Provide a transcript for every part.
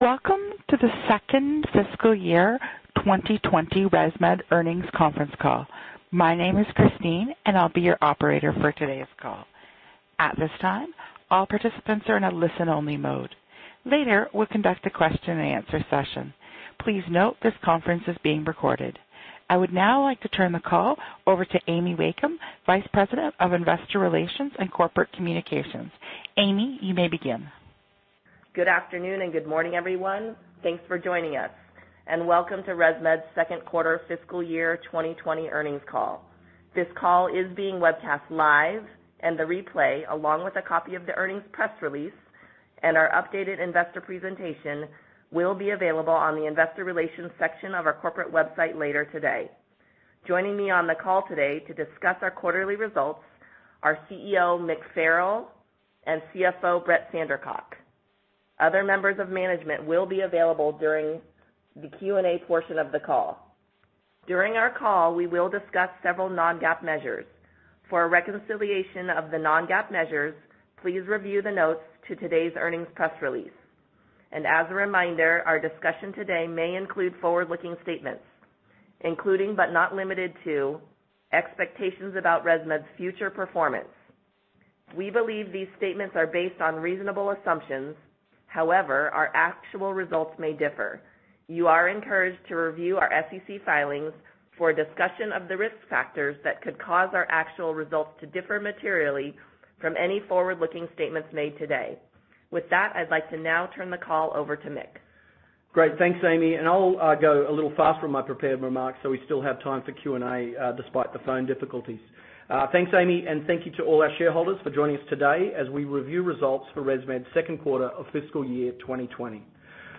Welcome to the Second Fiscal Year 2020 ResMed Earnings Conference Call. My name is Christine, and I'll be your operator for today's call. At this time, all participants are in a listen-only mode. Later, we'll conduct a question and answer session. Please note this conference is being recorded. I would now like to turn the call over to Amy Wakeham, Vice President of Investor Relations and Corporate Communications. Amy, you may begin. Good afternoon and good morning, everyone. Thanks for joining us, and welcome to ResMed's Second Quarter Fiscal Year 2020 Earnings Call. This call is being webcast live, and the replay, along with a copy of the earnings press release and our updated investor presentation, will be available on the Investor Relations section of our corporate website later today. Joining me on the call today to discuss our quarterly results are CEO Mick Farrell and CFO Brett Sandercock. Other members of management will be available during the Q&A portion of the call. During our call, we will discuss several non-GAAP measures. For a reconciliation of the non-GAAP measures, please review the notes to today's earnings press release. As a reminder, our discussion today may include forward-looking statements, including, but not limited to, expectations about ResMed's future performance. We believe these statements are based on reasonable assumptions. However, our actual results may differ. You are encouraged to review our SEC filings for a discussion of the risk factors that could cause our actual results to differ materially from any forward-looking statements made today. With that, I'd like to now turn the call over to Mick. Great. Thanks, Amy. I'll go a little faster with my prepared remarks so we still have time for Q&A, despite the phone difficulties. Thanks, Amy, and thank you to all our shareholders for joining us today as we review results for ResMed's second quarter of fiscal year 2020.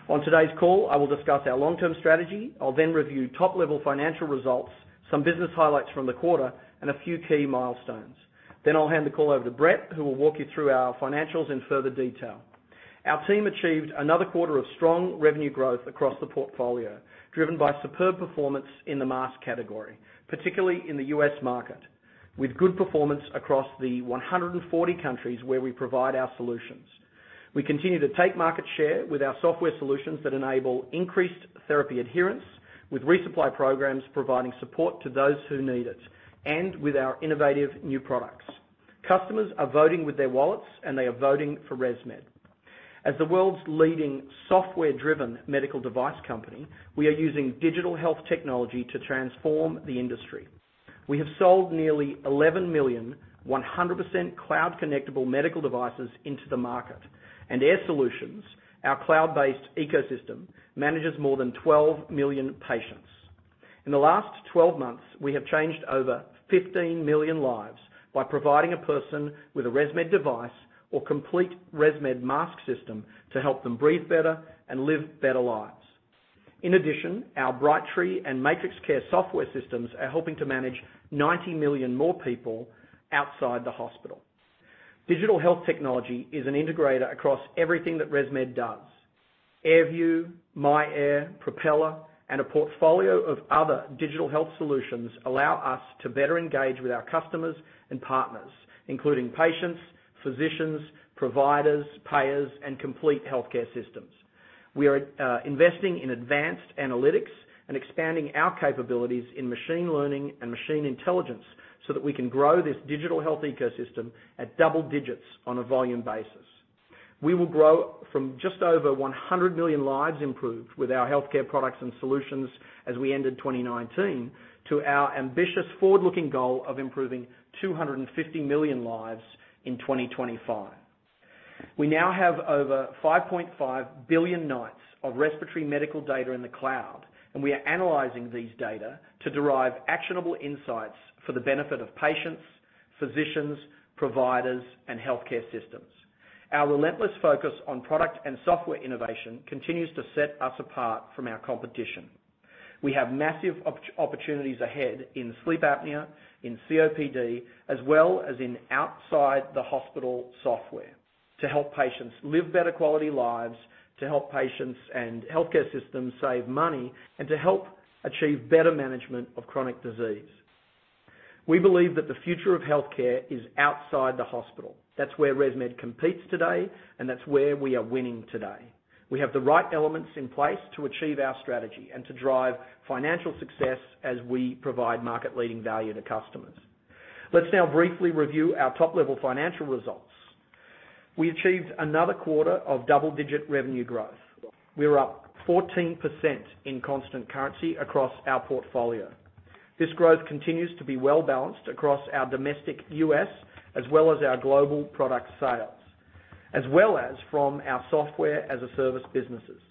On today's call, I will discuss our long-term strategy. I'll review top-level financial results, some business highlights from the quarter, and a few key milestones. I'll hand the call over to Brett, who will walk you through our financials in further detail. Our team achieved another quarter of strong revenue growth across the portfolio, driven by superb performance in the mask category, particularly in the U.S. market, with good performance across the 140 countries where we provide our solutions. We continue to take market share with our software solutions that enable increased therapy adherence, with resupply programs providing support to those who need it, and with our innovative new products. Customers are voting with their wallets, and they are voting for ResMed. As the world's leading software-driven medical device company, we are using digital health technology to transform the industry. We have sold nearly 11 million 100% cloud-connectable medical devices into the market, and Air Solutions, our cloud-based ecosystem, manages more than 12 million patients. In the last 12 months, we have changed over 15 million lives by providing a person with a ResMed device or complete ResMed mask system to help them breathe better and live better lives. In addition, our Brightree and MatrixCare software systems are helping to manage 90 million more people outside the hospital. Digital health technology is an integrator across everything that ResMed does. AirView, myAir, Propeller, and a portfolio of other digital health solutions allow us to better engage with our customers and partners, including patients, physicians, providers, payers, and complete healthcare systems. We are investing in advanced analytics and expanding our capabilities in machine learning and machine intelligence so that we can grow this digital health ecosystem at double digits on a volume basis. We will grow from just over 100 million lives improved with our healthcare products and solutions as we ended 2019 to our ambitious forward-looking goal of improving 250 million lives in 2025. We now have over 5.5 billion nights of respiratory medical data in the cloud. We are analyzing these data to derive actionable insights for the benefit of patients, physicians, providers, and healthcare systems. Our relentless focus on product and software innovation continues to set us apart from our competition. We have massive opportunities ahead in sleep apnea, in COPD, as well as in outside the hospital software to help patients live better quality lives, to help patients and healthcare systems save money, and to help achieve better management of chronic disease. We believe that the future of healthcare is outside the hospital. That's where ResMed competes today, and that's where we are winning today. We have the right elements in place to achieve our strategy and to drive financial success as we provide market-leading value to customers. Let's now briefly review our top-level financial results. We achieved another quarter of double-digit revenue growth. We're up 14% in constant currency across our portfolio. This growth continues to be well-balanced across our domestic U.S. as well as our global product sales, as well as from our software as a service businesses.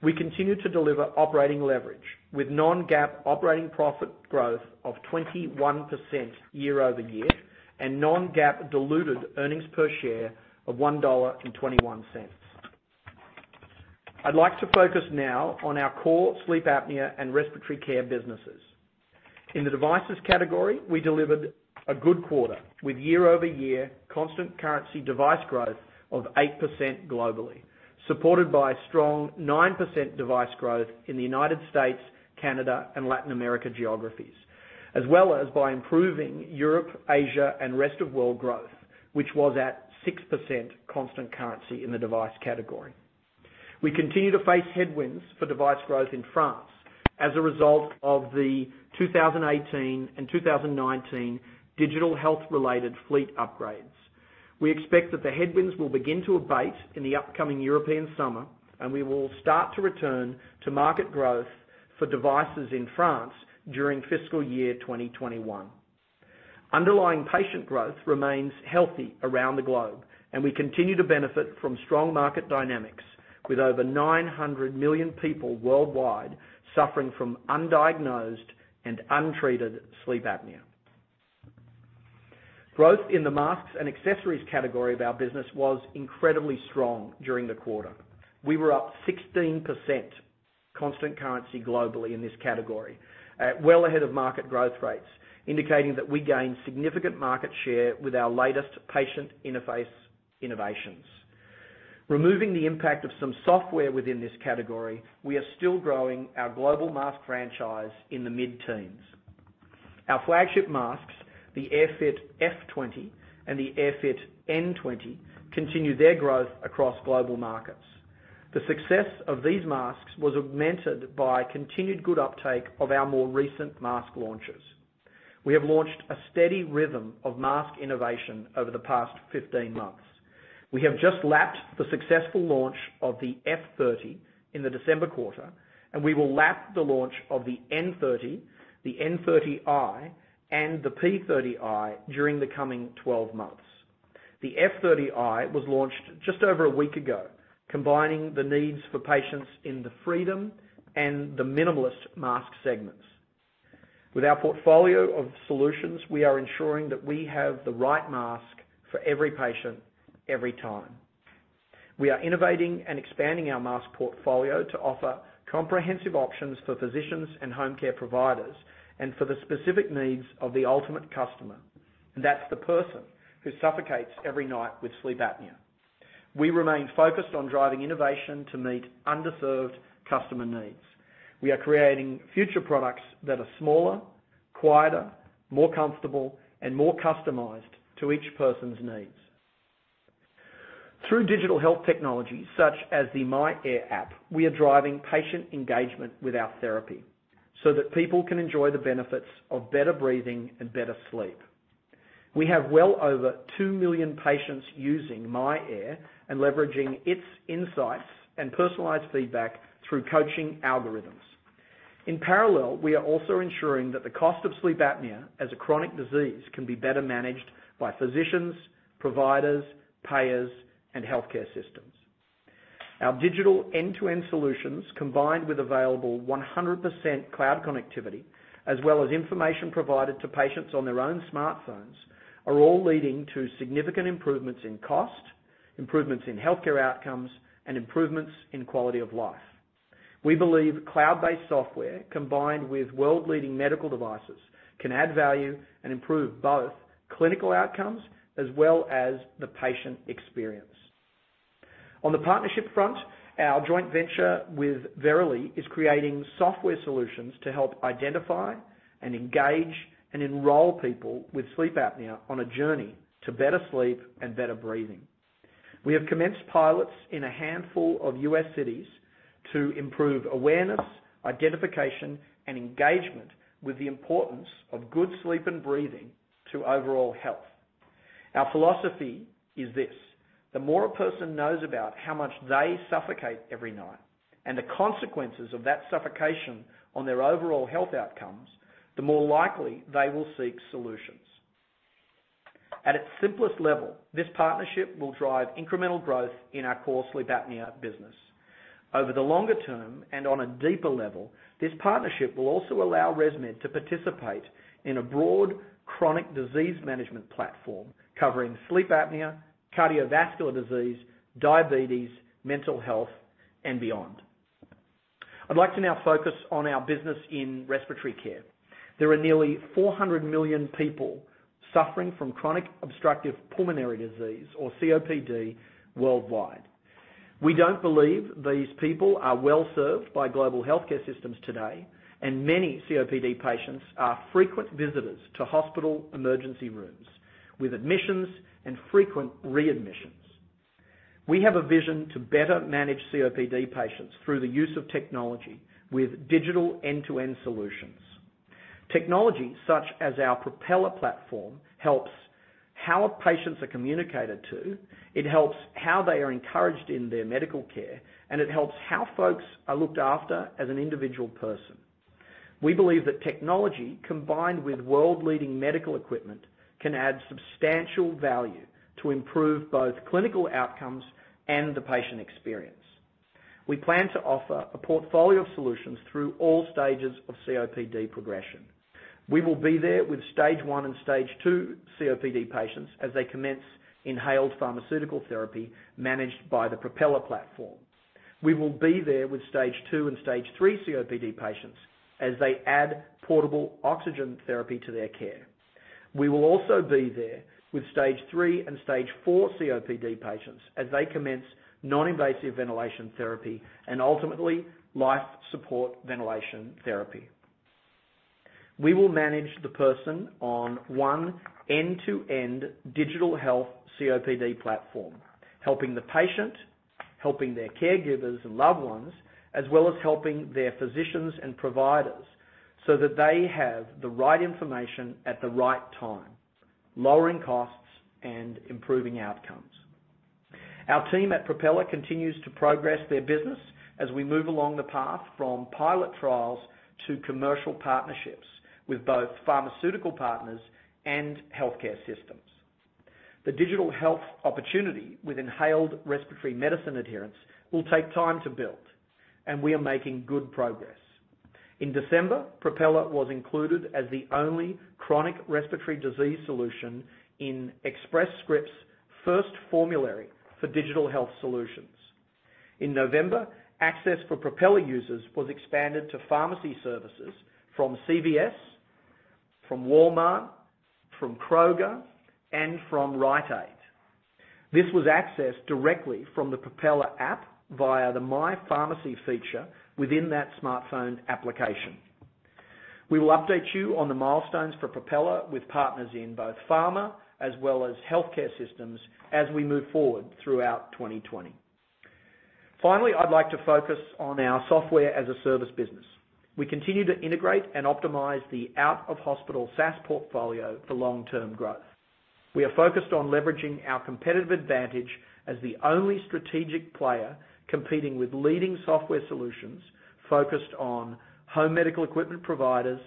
We continue to deliver operating leverage with non-GAAP operating profit growth of 21% year-over-year and non-GAAP diluted earnings per share of $1.21. I'd like to focus now on our core sleep apnea and respiratory care businesses. In the devices category, we delivered a good quarter with year-over-year constant currency device growth of 8% globally, supported by strong 9% device growth in the United States, Canada, and Latin America geographies, as well as by improving Europe, Asia, and rest of world growth. Which was at 6% constant currency in the device category. We continue to face headwinds for device growth in France as a result of the 2018 and 2019 digital health-related fleet upgrades. We expect that the headwinds will begin to abate in the upcoming European summer, and we will start to return to market growth for devices in France during fiscal year 2021. Underlying patient growth remains healthy around the globe, and we continue to benefit from strong market dynamics with over 900 million people worldwide suffering from undiagnosed and untreated sleep apnea. Growth in the masks and accessories category of our business was incredibly strong during the quarter. We were up 16% constant currency globally in this category. Well ahead of market growth rates, indicating that we gained significant market share with our latest patient interface innovations. Removing the impact of some software within this category, we are still growing our global mask franchise in the mid-teens. Our flagship masks, the AirFit F20 and the AirFit N20, continue their growth across global markets. The success of these masks was augmented by continued good uptake of our more recent mask launches. We have launched a steady rhythm of mask innovation over the past 15 months. We have just lapped the successful launch of the F30 in the December quarter, and we will lap the launch of the N30, the N30i, and the P30i during the coming 12 months. The F30i was launched just over a week ago, combining the needs for patients in the freedom and the minimalist mask segments. With our portfolio of solutions, we are ensuring that we have the right mask for every patient, every time. We are innovating and expanding our mask portfolio to offer comprehensive options for physicians and home care providers and for the specific needs of the ultimate customer. That's the person who suffocates every night with sleep apnea. We remain focused on driving innovation to meet underserved customer needs. We are creating future products that are smaller, quieter, more comfortable, and more customized to each person's needs. Through digital health technologies such as the myAir app, we are driving patient engagement with our therapy so that people can enjoy the benefits of better breathing and better sleep. We have well over 2 million patients using myAir and leveraging its insights and personalized feedback through coaching algorithms. In parallel, we are also ensuring that the cost of sleep apnea as a chronic disease can be better managed by physicians, providers, payers, and healthcare systems. Our digital end-to-end solutions, combined with available 100% cloud connectivity as well as information provided to patients on their own smartphones, are all leading to significant improvements in cost, improvements in healthcare outcomes, and improvements in quality of life. We believe cloud-based software combined with world-leading medical devices can add value and improve both clinical outcomes as well as the patient experience. On the partnership front, our joint venture with Verily is creating software solutions to help identify and engage and enroll people with sleep apnea on a journey to better sleep and better breathing. We have commenced pilots in a handful of U.S. cities to improve awareness, identification, and engagement with the importance of good sleep and breathing to overall health. Our philosophy is this: the more a person knows about how much they suffocate every night and the consequences of that suffocation on their overall health outcomes, the more likely they will seek solutions. At its simplest level, this partnership will drive incremental growth in our core sleep apnea business. Over the longer term and on a deeper level, this partnership will also allow ResMed to participate in a broad chronic disease management platform covering sleep apnea, cardiovascular disease, diabetes, mental health, and beyond. I'd like to now focus on our business in respiratory care. There are nearly 400 million people suffering from chronic obstructive pulmonary disease, or COPD, worldwide. We don't believe these people are well-served by global healthcare systems today, and many COPD patients are frequent visitors to hospital emergency rooms with admissions and frequent readmissions. We have a vision to better manage COPD patients through the use of technology with digital end-to-end solutions. Technology such as our Propeller platform helps how patients are communicated to, it helps how they are encouraged in their medical care, and it helps how folks are looked after as an individual person. We believe that technology combined with world-leading medical equipment can add substantial value to improve both clinical outcomes and the patient experience. We plan to offer a portfolio of solutions through all stages of COPD progression. We will be there with Stage I and Stage II COPD patients as they commence inhaled pharmaceutical therapy managed by the Propeller platform. We will be there with Stage II and Stage III COPD patients as they add portable oxygen therapy to their care. We will also be there with Stage III and stage IV COPD patients as they commence non-invasive ventilation therapy and ultimately life support ventilation therapy. We will manage the person on one end-to-end digital health COPD platform. Helping the patient, helping their caregivers and loved ones, as well as helping their physicians and providers so that they have the right information at the right time, lowering costs and improving outcomes. Our team at Propeller continues to progress their business as we move along the path from pilot trials to commercial partnerships with both pharmaceutical partners and healthcare systems. The digital health opportunity with inhaled respiratory medicine adherence will take time to build, and we are making good progress. In December, Propeller was included as the only chronic respiratory disease solution in Express Scripts' first formulary for digital health solutions. In November, access for Propeller users was expanded to pharmacy services from CVS, from Walmart, from Kroger, and from Rite Aid. This was accessed directly from the Propeller app via the My Pharmacy feature within that smartphone application. We will update you on the milestones for Propeller with partners in both pharma as well as healthcare systems as we move forward throughout 2020. Finally, I'd like to focus on our software as a service business. We continue to integrate and optimize the out-of-hospital SaaS portfolio for long-term growth. We are focused on leveraging our competitive advantage as the only strategic player competing with leading software solutions focused on home medical equipment providers,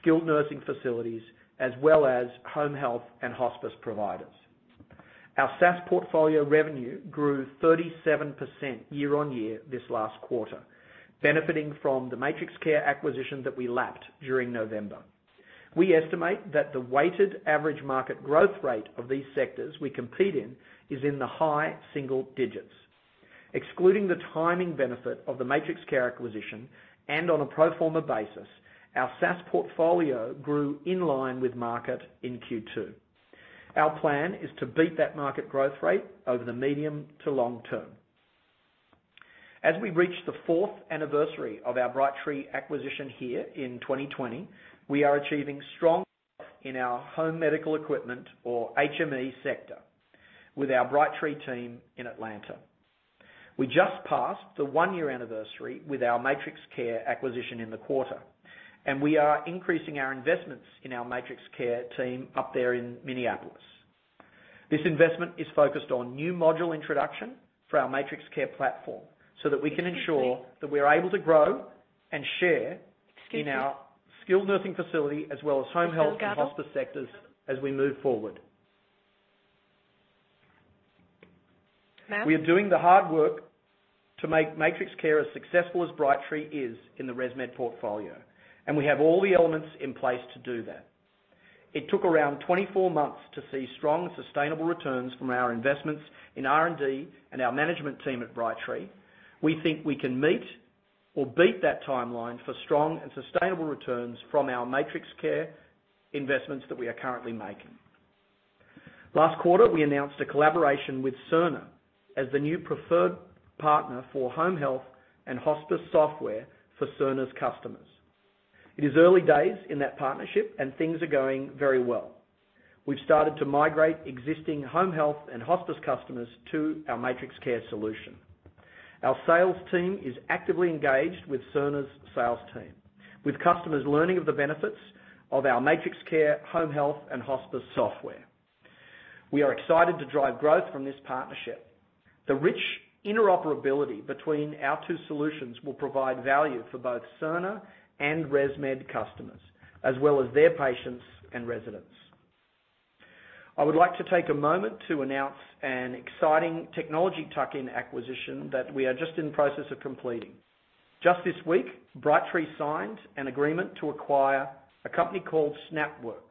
skilled nursing facilities, as well as home health and hospice providers. Our SaaS portfolio revenue grew 37% year-on-year this last quarter, benefiting from the MatrixCare acquisition that we lapped during November. We estimate that the weighted average market growth rate of these sectors we compete in is in the high single digits. Excluding the timing benefit of the MatrixCare acquisition and on a pro forma basis, our SaaS portfolio grew in line with market in Q2. Our plan is to beat that market growth rate over the medium to long term. As we reach the fourth anniversary of our Brightree acquisition here in 2020, we are achieving strong growth in our home medical equipment or HME sector with our Brightree team in Atlanta. We just passed the one-year anniversary with our MatrixCare acquisition in the quarter. We are increasing our investments in our MatrixCare team up there in Minneapolis. This investment is focused on new module introduction for our MatrixCare platform so that we can ensure that we are able to grow and share in our skilled nursing facility as well as home health and hospice sectors as we move forward. We are doing the hard work to make MatrixCare as successful as Brightree is in the ResMed portfolio. We have all the elements in place to do that. It took around 24 months to see strong and sustainable returns from our investments in R&D and our management team at Brightree. We think we can meet or beat that timeline for strong and sustainable returns from our MatrixCare investments that we are currently making. Last quarter, we announced a collaboration with Cerner as the new preferred partner for home health and hospice software for Cerner's customers. It is early days in that partnership. Things are going very well. We've started to migrate existing home health and hospice customers to our MatrixCare solution. Our sales team is actively engaged with Cerner's sales team, with customers learning of the benefits of our MatrixCare home health and hospice software. We are excited to drive growth from this partnership. The rich interoperability between our two solutions will provide value for both Cerner and ResMed customers, as well as their patients and residents. I would like to take a moment to announce an exciting technology tuck-in acquisition that we are just in the process of completing. Just this week, Brightree signed an agreement to acquire a company called SnapWorx.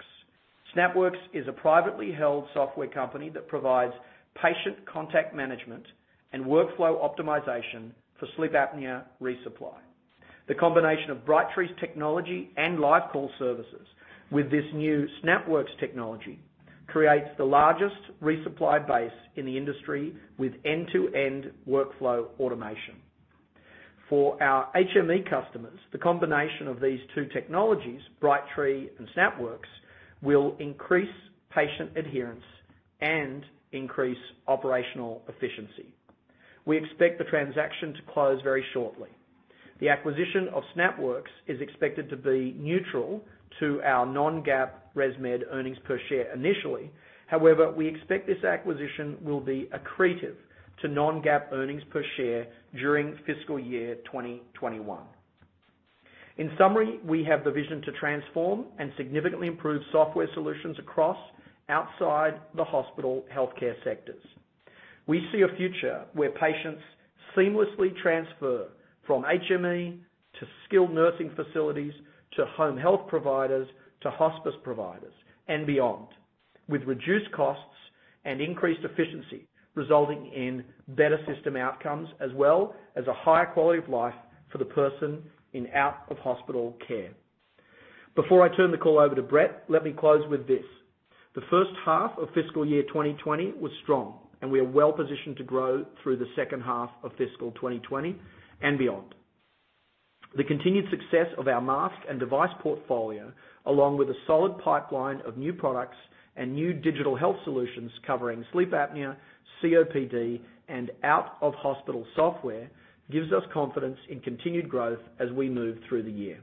SnapWorx is a privately held software company that provides patient contact management and workflow optimization for sleep apnea resupply. The combination of Brightree's technology and LiveCall services with this new SnapWorx technology creates the largest resupply base in the industry with end-to-end workflow automation. For our HME customers, the combination of these two technologies, Brightree and SnapWorx, will increase patient adherence and increase operational efficiency. We expect the transaction to close very shortly. The acquisition of SnapWorx is expected to be neutral to our non-GAAP ResMed earnings per share initially. However, we expect this acquisition will be accretive to non-GAAP earnings per share during fiscal year 2021. In summary, we have the vision to transform and significantly improve software solutions across outside the hospital healthcare sectors. We see a future where patients seamlessly transfer from HME to skilled nursing facilities, to home health providers, to hospice providers and beyond, with reduced costs and increased efficiency, resulting in better system outcomes as well as a higher quality of life for the person in out-of-hospital care. Before I turn the call over to Brett, let me close with this. The first half of fiscal year 2020 was strong, and we are well-positioned to grow through the second half of fiscal 2020 and beyond. The continued success of our mask and device portfolio, along with a solid pipeline of new products and new digital health solutions covering sleep apnea, COPD, and out-of-hospital software, gives us confidence in continued growth as we move through the year.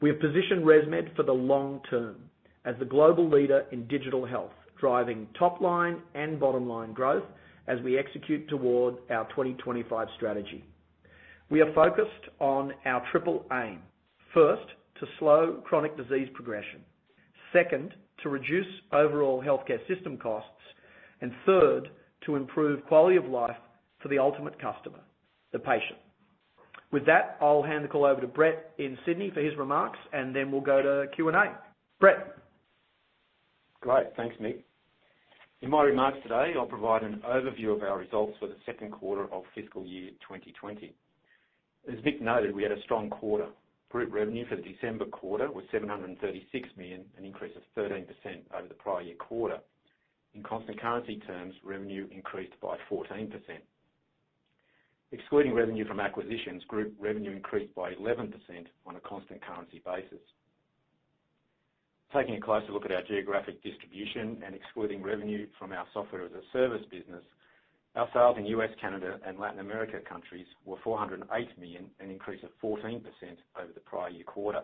We have positioned ResMed for the long term as the global leader in digital health, driving top-line and bottom-line growth as we execute toward our 2025 strategy. We are focused on our triple aim. First, to slow chronic disease progression. Second, to reduce overall healthcare system costs. Third, to improve quality of life for the ultimate customer, the patient. With that, I'll hand the call over to Brett in Sydney for his remarks, then we'll go to Q&A. Brett. Great. Thanks, Mick. In my remarks today, I'll provide an overview of our results for the second quarter of fiscal year 2020. As Mick noted, we had a strong quarter. Group revenue for the December quarter was $736 million, an increase of 13% over the prior year quarter. In constant currency terms, revenue increased by 14%. Excluding revenue from acquisitions, group revenue increased by 11% on a constant currency basis. Taking a closer look at our geographic distribution and excluding revenue from our software as a service business, our sales in U.S., Canada, and Latin America countries were $408 million, an increase of 14% over the prior year quarter.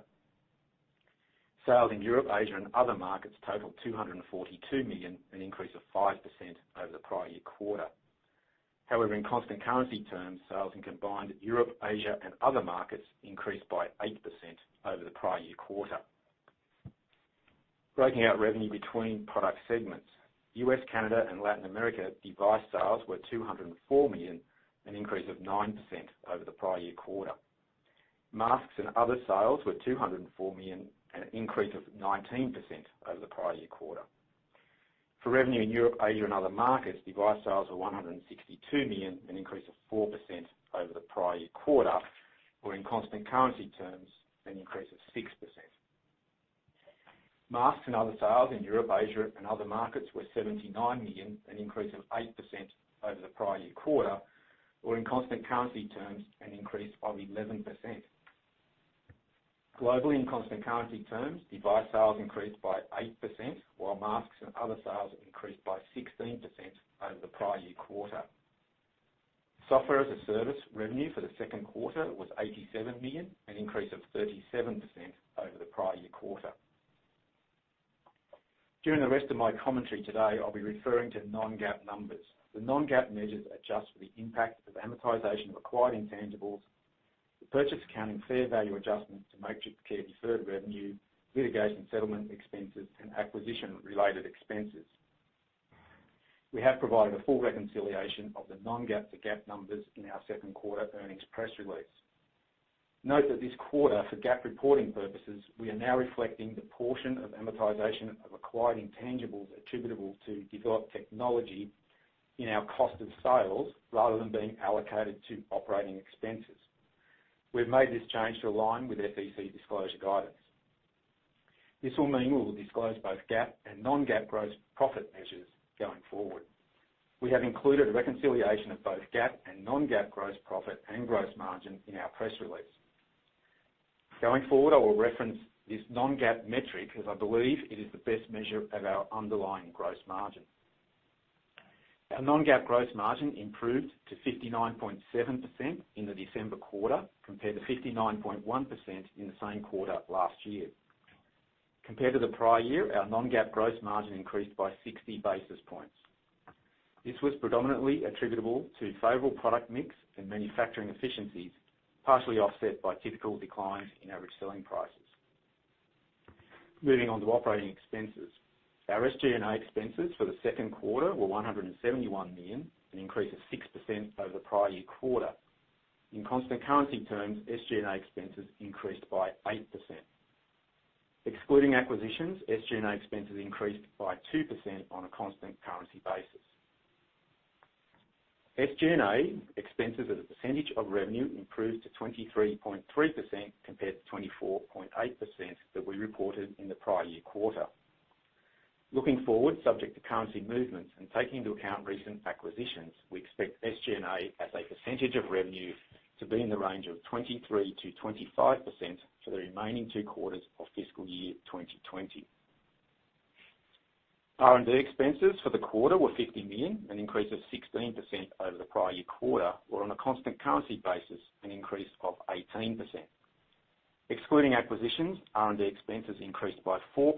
Sales in Europe, Asia, and other markets totaled $242 million, an increase of 5% over the prior year quarter. However, in constant currency terms, sales in combined Europe, Asia, and other markets increased by 8% over the prior year quarter. Breaking out revenue between product segments. U.S., Canada, and Latin America device sales were $204 million, an increase of 9% over the prior year quarter. Masks and other sales were $204 million, an increase of 19% over the prior year quarter. For revenue in Europe, Asia, and other markets, device sales were $162 million, an increase of 4% over the prior year quarter, or in constant currency terms, an increase of 6%. Masks and other sales in Europe, Asia, and other markets were $79 million, an increase of 8% over the prior year quarter, or in constant currency terms, an increase of 11%. Globally, in constant currency terms, device sales increased by 8%, while masks and other sales increased by 16% over the prior year quarter. Software as a service revenue for the second quarter was $87 million, an increase of 37% over the prior year quarter. During the rest of my commentary today, I'll be referring to non-GAAP numbers. The non-GAAP measures adjust for the impact of amortization of acquired intangibles, the purchase accounting fair value adjustments to MatrixCare deferred revenue, litigation settlement expenses, and acquisition related expenses. We have provided a full reconciliation of the non-GAAP to GAAP numbers in our second quarter earnings press release. Note that this quarter, for GAAP reporting purposes, we are now reflecting the portion of amortization of acquired intangibles attributable to developed technology in our cost of sales rather than being allocated to operating expenses. We've made this change to align with SEC disclosure guidance. This will mean we will disclose both GAAP and non-GAAP gross profit measures going forward. We have included a reconciliation of both GAAP and non-GAAP gross profit and gross margin in our press release. Going forward, I will reference this non-GAAP metric because I believe it is the best measure of our underlying gross margin. Our non-GAAP gross margin improved to 59.7% in the December quarter, compared to 59.1% in the same quarter last year. Compared to the prior year, our non-GAAP gross margin increased by 60 basis points. This was predominantly attributable to favorable product mix and manufacturing efficiencies, partially offset by typical declines in average selling prices. Moving on to operating expenses. Our SG&A expenses for the second quarter were $171 million, an increase of 6% over the prior year quarter. In constant currency terms, SG&A expenses increased by 8%. Excluding acquisitions, SG&A expenses increased by 2% on a constant currency basis. SG&A expenses as a percentage of revenue improved to 23.3% compared to 24.8% that we reported in the prior year quarter. Looking forward, subject to currency movements and taking into account recent acquisitions, we expect SG&A as a percentage of revenue to be in the range of 23%-25% for the remaining two quarters of fiscal year 2020. R&D expenses for the quarter were $50 million, an increase of 16% over the prior year quarter, or on a constant currency basis, an increase of 18%. Excluding acquisitions, R&D expenses increased by 4%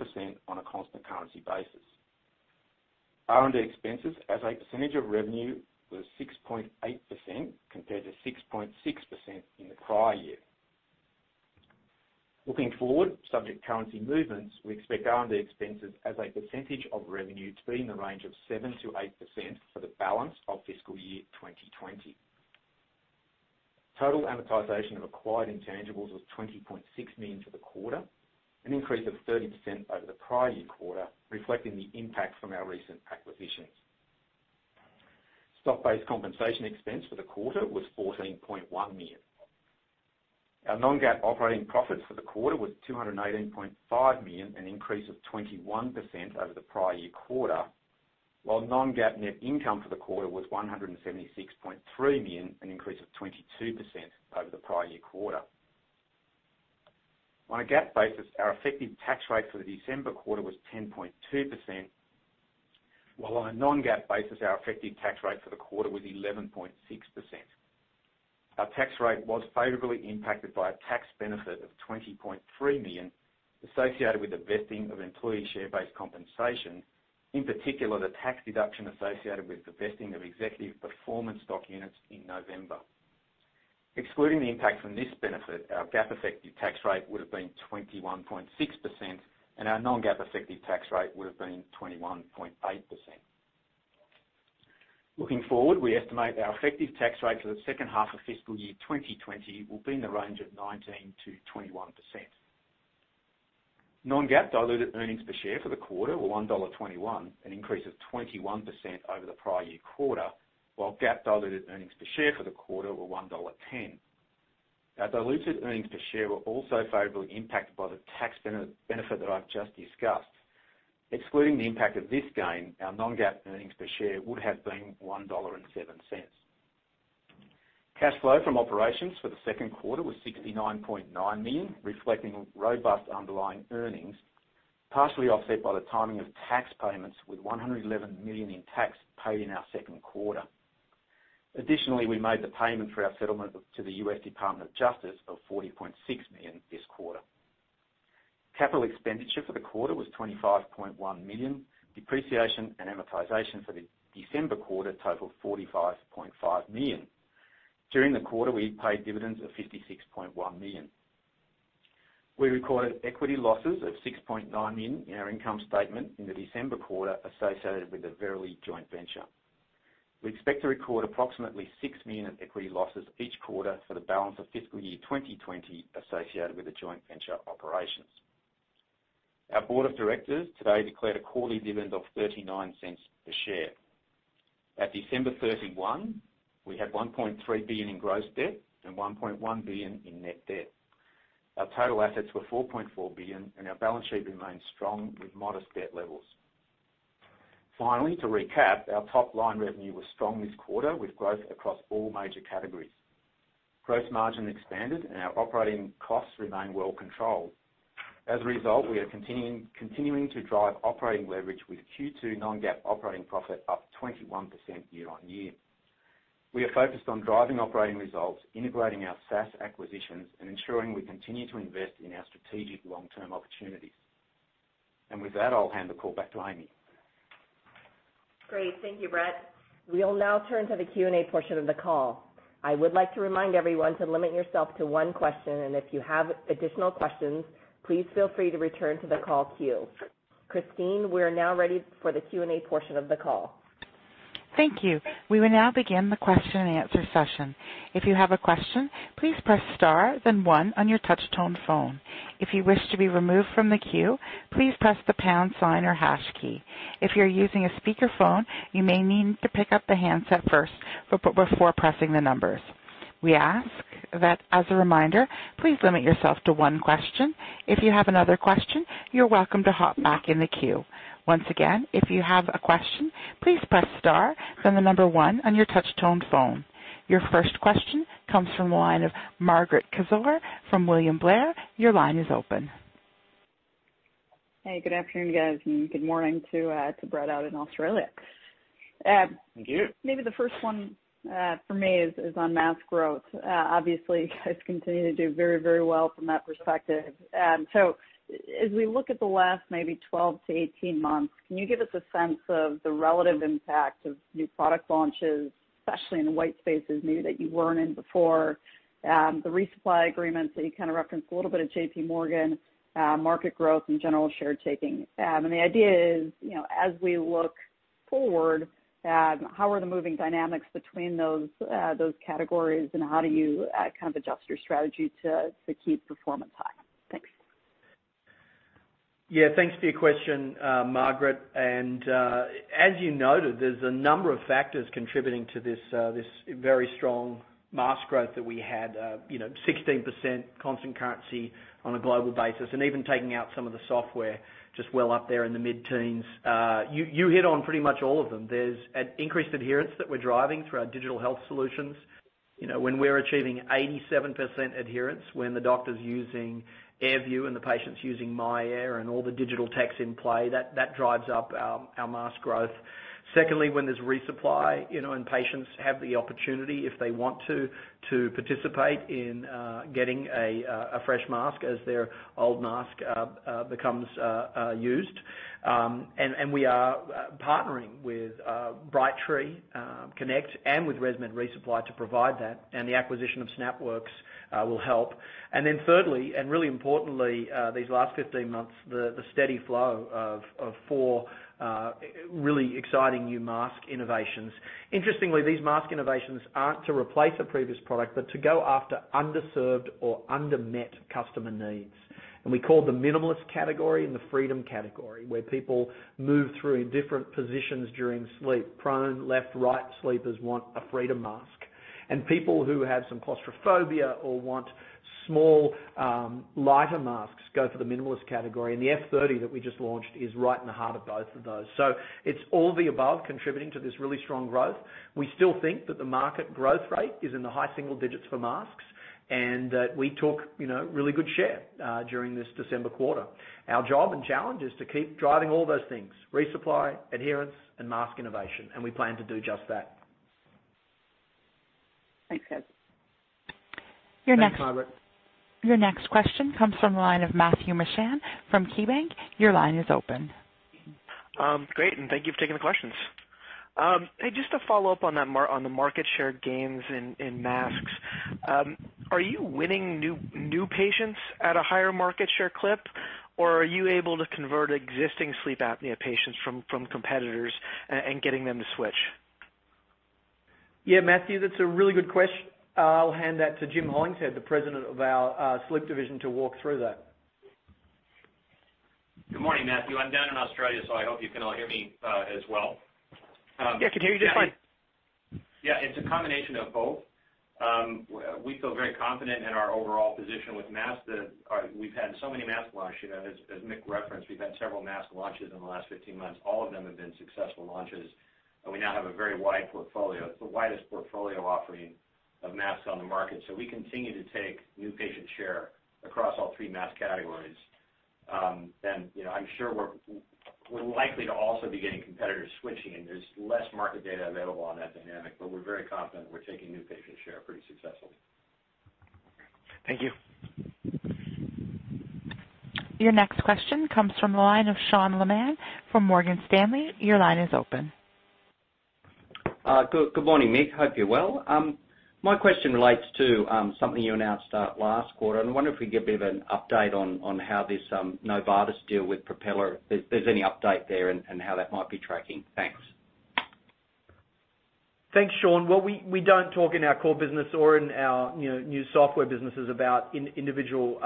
on a constant currency basis. R&D expenses as a percentage of revenue was 6.8%, compared to 6.6% in the prior year. Looking forward, subject to currency movements, we expect R&D expenses as a percentage of revenue to be in the range of 7%-8% for the balance of fiscal year 2020. Total amortization of acquired intangibles was $20.6 million for the quarter, an increase of 30% over the prior year quarter, reflecting the impact from our recent acquisitions. Stock-based compensation expense for the quarter was $14.1 million. Our non-GAAP operating profits for the quarter was $218.5 million, an increase of 21% over the prior year quarter, while non-GAAP net income for the quarter was $176.3 million, an increase of 22% over the prior year quarter. On a GAAP basis, our effective tax rate for the December quarter was 10.2%, while on a non-GAAP basis, our effective tax rate for the quarter was 11.6%. Our tax rate was favorably impacted by a tax benefit of $20.3 million associated with the vesting of employee share-based compensation, in particular, the tax deduction associated with the vesting of executive performance stock units in November. Excluding the impact from this benefit, our GAAP effective tax rate would've been 21.6%, and our non-GAAP effective tax rate would've been 21.8%. Looking forward, we estimate our effective tax rate for the second half of fiscal year 2020 will be in the range of 19%-21%. Non-GAAP diluted earnings per share for the quarter were $1.21, an increase of 21% over the prior year quarter, while GAAP diluted earnings per share for the quarter were $1.10. Our diluted earnings per share were also favorably impacted by the tax benefit that I've just discussed. Excluding the impact of this gain, our non-GAAP earnings per share would have been $1.07. Cash flow from operations for the second quarter was $69.9 million, reflecting robust underlying earnings, partially offset by the timing of tax payments, with $111 million in tax paid in our second quarter. Additionally, we made the payment for our settlement to the U.S. Department of Justice of $40.6 million this quarter. Capital expenditure for the quarter was $25.1 million. Depreciation and amortization for the December quarter totaled $45.5 million. During the quarter, we paid dividends of $56.1 million. We recorded equity losses of $6.9 million in our income statement in the December quarter associated with the Verily joint venture. We expect to record approximately $6 million equity losses each quarter for the balance of fiscal year 2020 associated with the joint venture operations. Our board of directors today declared a quarterly dividend of $0.39 per share. At December 31, we had $1.3 billion in gross debt and $1.1 billion in net debt. Our total assets were $4.4 billion, and our balance sheet remains strong with modest debt levels. Finally, to recap, our top-line revenue was strong this quarter, with growth across all major categories. Gross margin expanded. Our operating costs remain well controlled. As a result, we are continuing to drive operating leverage with Q2 non-GAAP operating profit up 21% year-on-year. We are focused on driving operating results, integrating our SaaS acquisitions, and ensuring we continue to invest in our strategic long-term opportunities. With that, I'll hand the call back to Amy. Great. Thank you, Brett. We will now turn to the Q&A portion of the call. I would like to remind everyone to limit yourself to one question, and if you have additional questions, please feel free to return to the call queue. Christine, we're now ready for the Q&A portion of the call. Thank you. We will now begin the question and answer session. If you have a question, please press star then one on your touch tone phone. If you wish to be removed from the queue, please press the pound sign or hash key. If you're using a speakerphone, you may need to pick up the handset first before pressing the numbers. We ask that, as a reminder, please limit yourself to one question. If you have another question, you're welcome to hop back in the queue. Once again, if you have a question, please press star, then the number one on your touch tone phone. Your first question comes from the line of Margaret Kaczor from William Blair. Your line is open. Hey, good afternoon, guys, and good morning to Brett out in Australia. Thank you. Maybe the first one for me is on mask growth. Obviously, you guys continue to do very well from that perspective. As we look at the last maybe 12 to 18 months, can you give us a sense of the relative impact of new product launches, especially in the white spaces maybe that you weren't in before, the resupply agreements that you kind of referenced a little bit at JPMorgan, market growth, and general share taking? The idea is, as we look forward, how are the moving dynamics between those categories, and how do you kind of adjust your strategy to keep performance high? Thanks. Yeah, thanks for your question, Margaret. As you noted, there's a number of factors contributing to this very strong mask growth that we had. 16% constant currency on a global basis, and even taking out some of the software just well up there in the mid-teens. You hit on pretty much all of them. There's an increased adherence that we're driving through our digital health solutions. When we're achieving 87% adherence, when the doctor's using AirView and the patient's using myAir and all the digital techs in play, that drives up our mask growth. Secondly, when there's resupply, and patients have the opportunity if they want to participate in getting a fresh mask as their old mask becomes used. We are partnering with Brightree Connect and with ResMed ReSupply to provide that, and the acquisition of SnapWorx will help. Thirdly, and really importantly, these last 15 months, the steady flow of four really exciting new mask innovations. Interestingly, these mask innovations aren't to replace a previous product, but to go after underserved or under-met customer needs. We call it the minimalist category and the freedom category, where people move through different positions during sleep. Prone, left, right sleepers want a freedom mask. People who have some claustrophobia or want small, lighter masks go for the minimalist category. The F30 that we just launched is right in the heart of both of those. It's all the above contributing to this really strong growth. We still think that the market growth rate is in the high single digits for masks, and that we took really good share during this December quarter. Our job and challenge is to keep driving all those things, resupply, adherence, and mask innovation, and we plan to do just that. Thanks, guys. Thanks, Margaret. Your next question comes from the line of Matthew Mishan from KeyBanc. Your line is open. Great, thank you for taking the questions. Hey, just to follow up on the market share gains in masks. Are you winning new patients at a higher market share clip? Are you able to convert existing sleep apnea patients from competitors, and getting them to switch? Yeah, Matthew, that's a really good question. I'll hand that to Jim Hollingshead, the President of our Sleep Division, to walk through that. Good morning, Matthew. I'm down in Australia, so I hope you can all hear me as well. Yeah, can hear you just fine. Yeah, it's a combination of both. We feel very confident in our overall position with masks. We've had so many mask launches. As Mick referenced, we've had several mask launches in the last 15 months. All of them have been successful launches. We now have a very wide portfolio. It's the widest portfolio offering of masks on the market. We continue to take new patient share across all three mask categories. I'm sure we're likely to also be getting competitors switching. There's less market data available on that dynamic. We're very confident we're taking new patient share pretty successfully. Thank you. Your next question comes from the line of Sean Laaman from Morgan Stanley. Your line is open. Good morning, Mick. Hope you're well. My question relates to something you announced last quarter, and I wonder if we can get a bit of an update on how this Novartis deal with Propeller, if there's any update there and how that might be tracking. Thanks. Thanks, Sean. Well, we don't talk in our core business or in our new software businesses about individual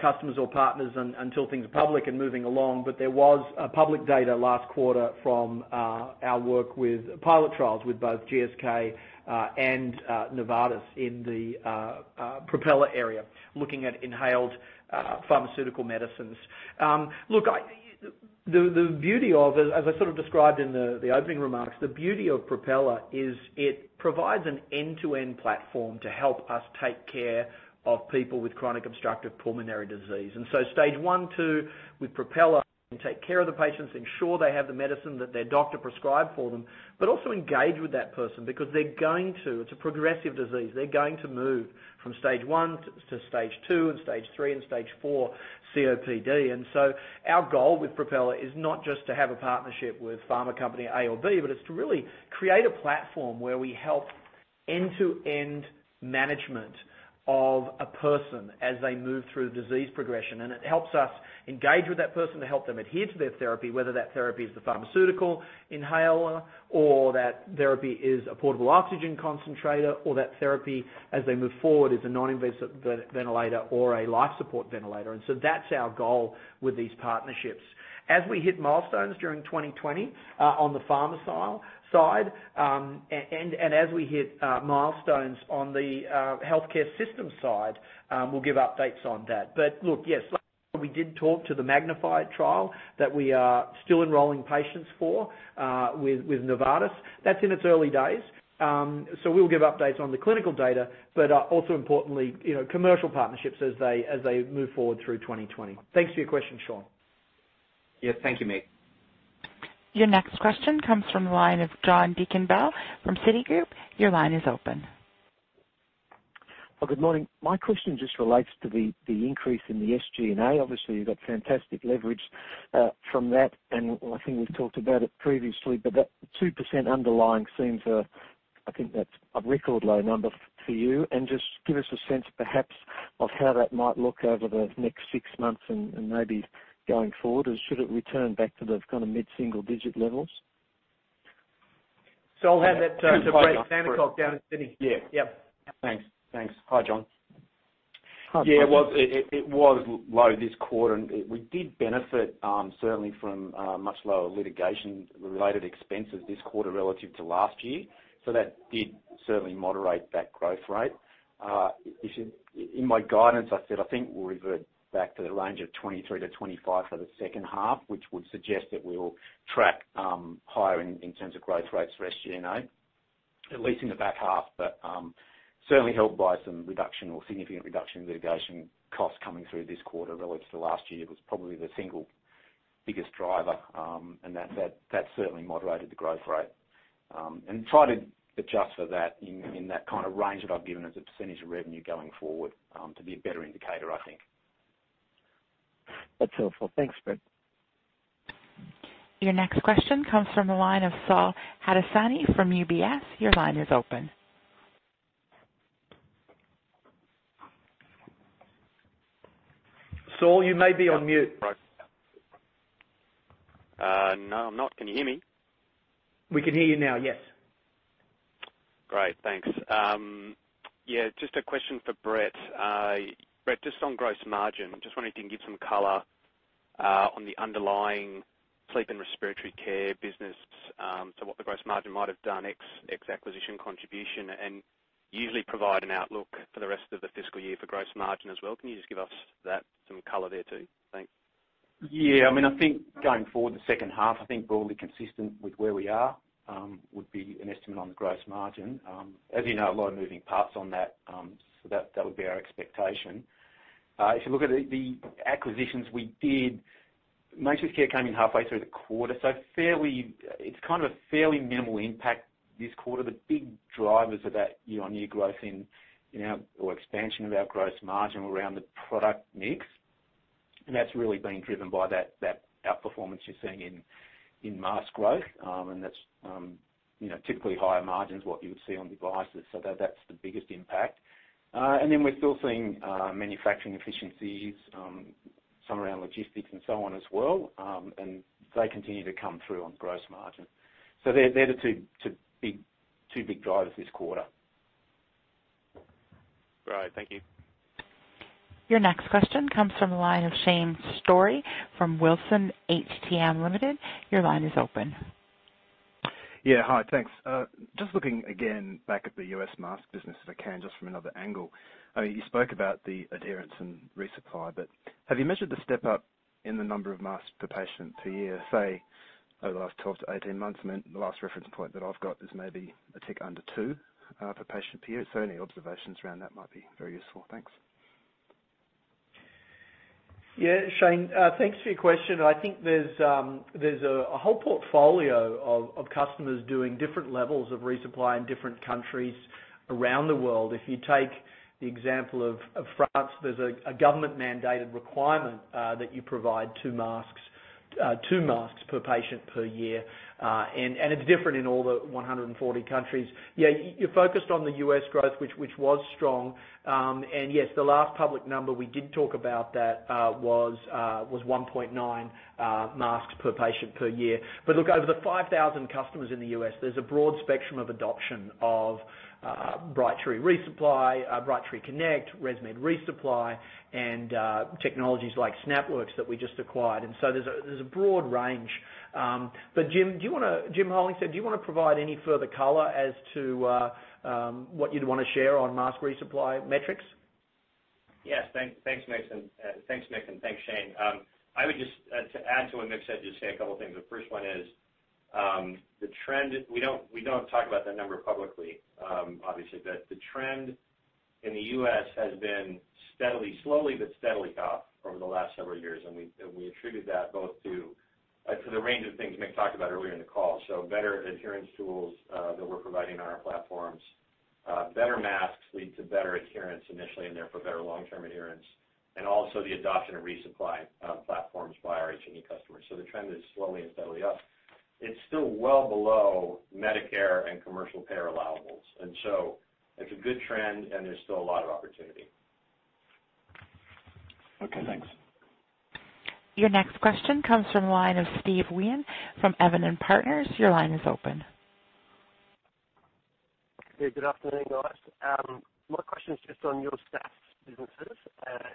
customers or partners until things are public and moving along. There was public data last quarter from our work with pilot trials with both GSK and Novartis in the Propeller area, looking at inhaled pharmaceutical medicines. As I sort of described in the opening remarks, the beauty of Propeller is it provides an end-to-end platform to help us take care of people with chronic obstructive pulmonary disease. Stage I, II with Propeller can take care of the patients, ensure they have the medicine that their doctor prescribed for them. Also engage with that person because it's a progressive disease. They're going to move from Stage I to Stage II and Stage III and Stage IV COPD. Our goal with Propeller is not just to have a partnership with pharma company A or B, but it's to really create a platform where we help end-to-end management of a person as they move through disease progression. It helps us engage with that person to help them adhere to their therapy, whether that therapy is the pharmaceutical inhaler or that therapy is a portable oxygen concentrator or that therapy, as they move forward, is a non-invasive ventilator or a life support ventilator. That's our goal with these partnerships. As we hit milestones during 2020 on the pharma side, and as we hit milestones on the healthcare system side, we'll give updates on that. Look, yes, we did talk to the MAGNIFY trial that we are still enrolling patients for with Novartis. That's in its early days. We'll give updates on the clinical data, but also importantly, commercial partnerships as they move forward through 2020. Thanks for your question, Sean. Yes. Thank you, Mick. Your next question comes from the line of John Deakin-Bell from Citigroup. Your line is open. Good morning. My question just relates to the increase in the SG&A. Obviously, you got fantastic leverage from that, and I think we've talked about it previously, but that 2% underlying seems, I think that's a record low number for you. Just give us a sense perhaps of how that might look over the next six months and maybe going forward. Should it return back to the kind of mid-single digit levels? I'll hand that to Brett Sandercock down in Sydney. Yeah. Yep. Thanks. Hi, John. Hi. Yeah, it was low this quarter, and we did benefit certainly from much lower litigation-related expenses this quarter relative to last year. That did certainly moderate that growth rate. In my guidance, I said I think we'll revert back to the range of 23%-25% for the second half, which would suggest that we'll track higher in terms of growth rates for SG&A, at least in the back half. Certainly helped by some reduction or significant reduction in litigation costs coming through this quarter relative to last year. It was probably the single biggest driver, and that certainly moderated the growth rate. Try to adjust for that in that kind of range that I've given as a percentage of revenue going forward, to be a better indicator, I think. That's helpful. Thanks, Brett. Your next question comes from the line of Saul Hadassin from UBS. Your line is open. Saul, you may be on mute. No, I'm not. Can you hear me? We can hear you now, yes. Great, thanks. Yeah, just a question for Brett. Brett, just on gross margin. Just wondering if you can give some color on the underlying sleep and respiratory care business, so what the gross margin might have done, ex acquisition contribution, and usually provide an outlook for the rest of the fiscal year for gross margin as well. Can you just give us some color there too? Thanks. Yeah. I think going forward, the second half, broadly consistent with where we are, would be an estimate on the gross margin. As you know, a lot of moving parts on that. That would be our expectation. If you look at the acquisitions we did, MatrixCare came in halfway through the quarter. It's kind of a fairly minimal impact this quarter. The big drivers of that year-on-year growth or expansion of our gross margin were around the product mix. That's really been driven by that outperformance you're seeing in mask growth. That's typically higher margins, what you would see on devices. That's the biggest impact. We're still seeing manufacturing efficiencies, some around logistics and so on as well. They continue to come through on gross margin. They're the two big drivers this quarter. Right. Thank you. Your next question comes from the line of Shane Storey from Wilson HTM Limited. Your line is open. Yeah. Hi, thanks. Just looking again back at the U.S. mask business, if I can, just from another angle. You spoke about the adherence and resupply, have you measured the step up in the number of masks per patient per year, say, over the last 12 to 18 months? The last reference point that I've got is maybe a tick under two, per patient, per year. Any observations around that might be very useful. Thanks. Yeah, Shane, thanks for your question. I think there's a whole portfolio of customers doing different levels of resupply in different countries around the world. If you take the example of France, there's a government-mandated requirement that you provide two masks per patient per year, and it's different in all the 140 countries. Yeah, you're focused on the U.S. growth, which was strong. Yes, the last public number we did talk about that was 1.9 masks per patient per year. Look, over the 5,000 customers in the U.S., there's a broad spectrum of adoption of Brightree Resupply, Brightree Connect, ResMed Resupply, and technologies like SnapWorx that we just acquired. There's a broad range. Jim, do you want to, Jim Hollingshead, do you want to provide any further color as to what you'd want to share on mask resupply metrics? Yes. Thanks, Mick, and thanks, Shane. I would just, to add to what Mick said, just say a couple things. The first one is, we don't talk about that number publicly, obviously, but the trend in the U.S. has been slowly but steadily up over the last several years, and we attribute that both to the range of things Mick talked about earlier in the call. Better adherence tools that we're providing on our platforms, better masks lead to better adherence initially, and therefore better long-term adherence. Also the adoption of resupply platforms by our HME customers. The trend is slowly and steadily up. It's still well below Medicare and commercial payer allowables. It's a good trend and there's still a lot of opportunity. Okay, thanks. Your next question comes from the line of Steve Wheen from Evans and Partners. Your line is open. Hey, good afternoon, guys. My question is just on your SaaS businesses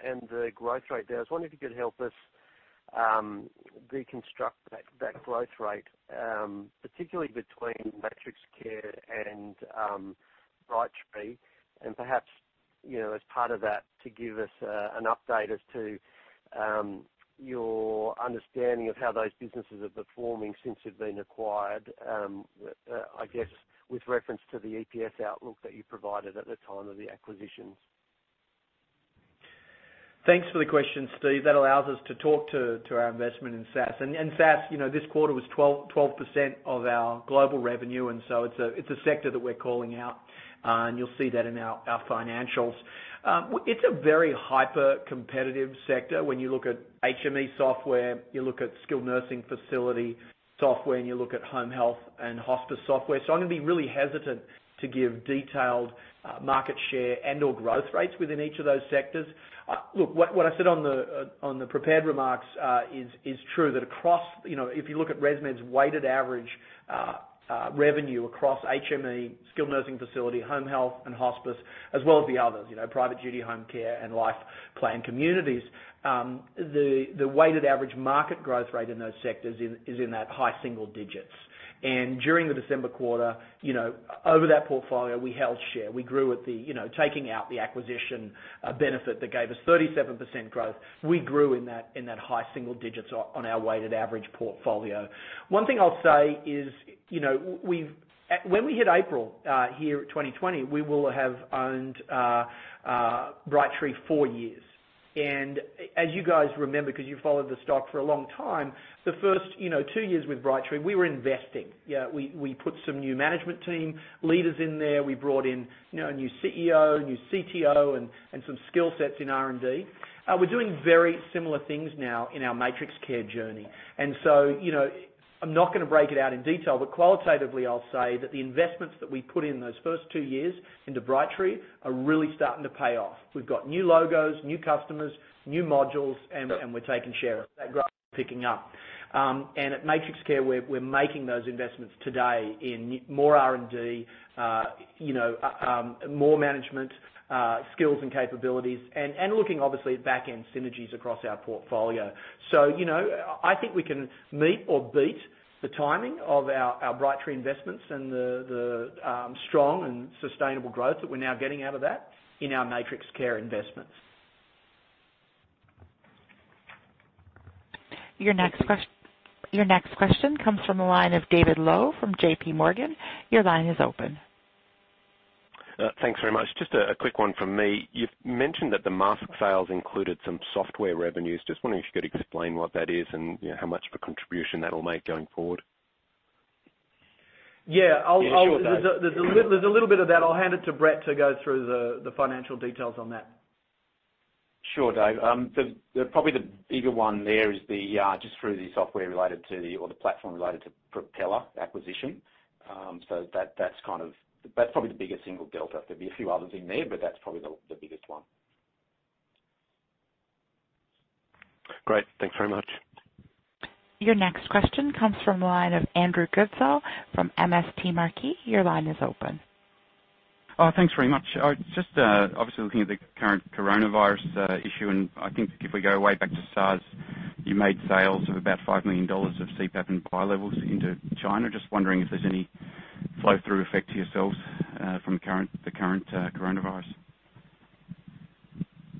and the growth rate there. I was wondering if you could help us deconstruct that growth rate, particularly between MatrixCare and Brightree, and perhaps, as part of that, to give us an update as to your understanding of how those businesses are performing since they've been acquired, I guess, with reference to the EPS outlook that you provided at the time of the acquisitions. Thanks for the question, Steve. That allows us to talk to our investment in SaaS. SaaS, this quarter, was 12% of our global revenue, it's a sector that we're calling out, and you'll see that in our financials. It's a very hyper-competitive sector when you look at HME software, you look at skilled nursing facility software, and you look at home health and hospice software. I'm going to be really hesitant to give detailed market share and/or growth rates within each of those sectors. Look, what I said on the prepared remarks is true, that if you look at ResMed's weighted average revenue across HME, skilled nursing facility, home health, and hospice, as well as the others, private duty home care and life plan communities, the weighted average market growth rate in those sectors is in that high single digits. During the December quarter, over that portfolio, we held share. Taking out the acquisition benefit that gave us 37% growth, we grew in that high single digits on our weighted average portfolio. One thing I'll say is, when we hit April here at 2020, we will have owned Brightree four years. As you guys remember, because you followed the stock for a long time, the first two years with Brightree, we were investing. We put some new management team leaders in there. We brought in a new CEO, a new CTO, and some skill sets in R&D. We're doing very similar things now in our MatrixCare journey. I'm not going to break it out in detail, but qualitatively I'll say that the investments that we put in those first two years into Brightree are really starting to pay off. We've got new logos, new customers, new modules, and we're taking share of that growth, picking up. At MatrixCare, we're making those investments today in more R&D, more management skills and capabilities, and looking obviously at back-end synergies across our portfolio. I think we can meet or beat the timing of our Brightree investments and the strong and sustainable growth that we're now getting out of that in our MatrixCare investments. Your next question comes from the line of David Low from JPMorgan. Your line is open. Thanks very much. Just a quick one from me. You've mentioned that the mask sales included some software revenues. Just wondering if you could explain what that is and how much of a contribution that'll make going forward? Yeah. Yeah, sure, Dave. There's a little bit of that. I'll hand it to Brett to go through the financial details on that. Sure, Dave. Probably the bigger one there is just through the software related to, or the platform related to Propeller acquisition. That's probably the biggest single delta. There'd be a few others in there, but that's probably the biggest one. Great. Thanks very much. Your next question comes from the line of Andrew Goodsall from MST Marquee. Your line is open. Thanks very much. Just, obviously looking at the current coronavirus issue, I think if we go way back to SARS, you made sales of about $5 million of CPAP and bilevel into China. Just wondering if there's any flow-through effect to yourselves, from the current coronavirus.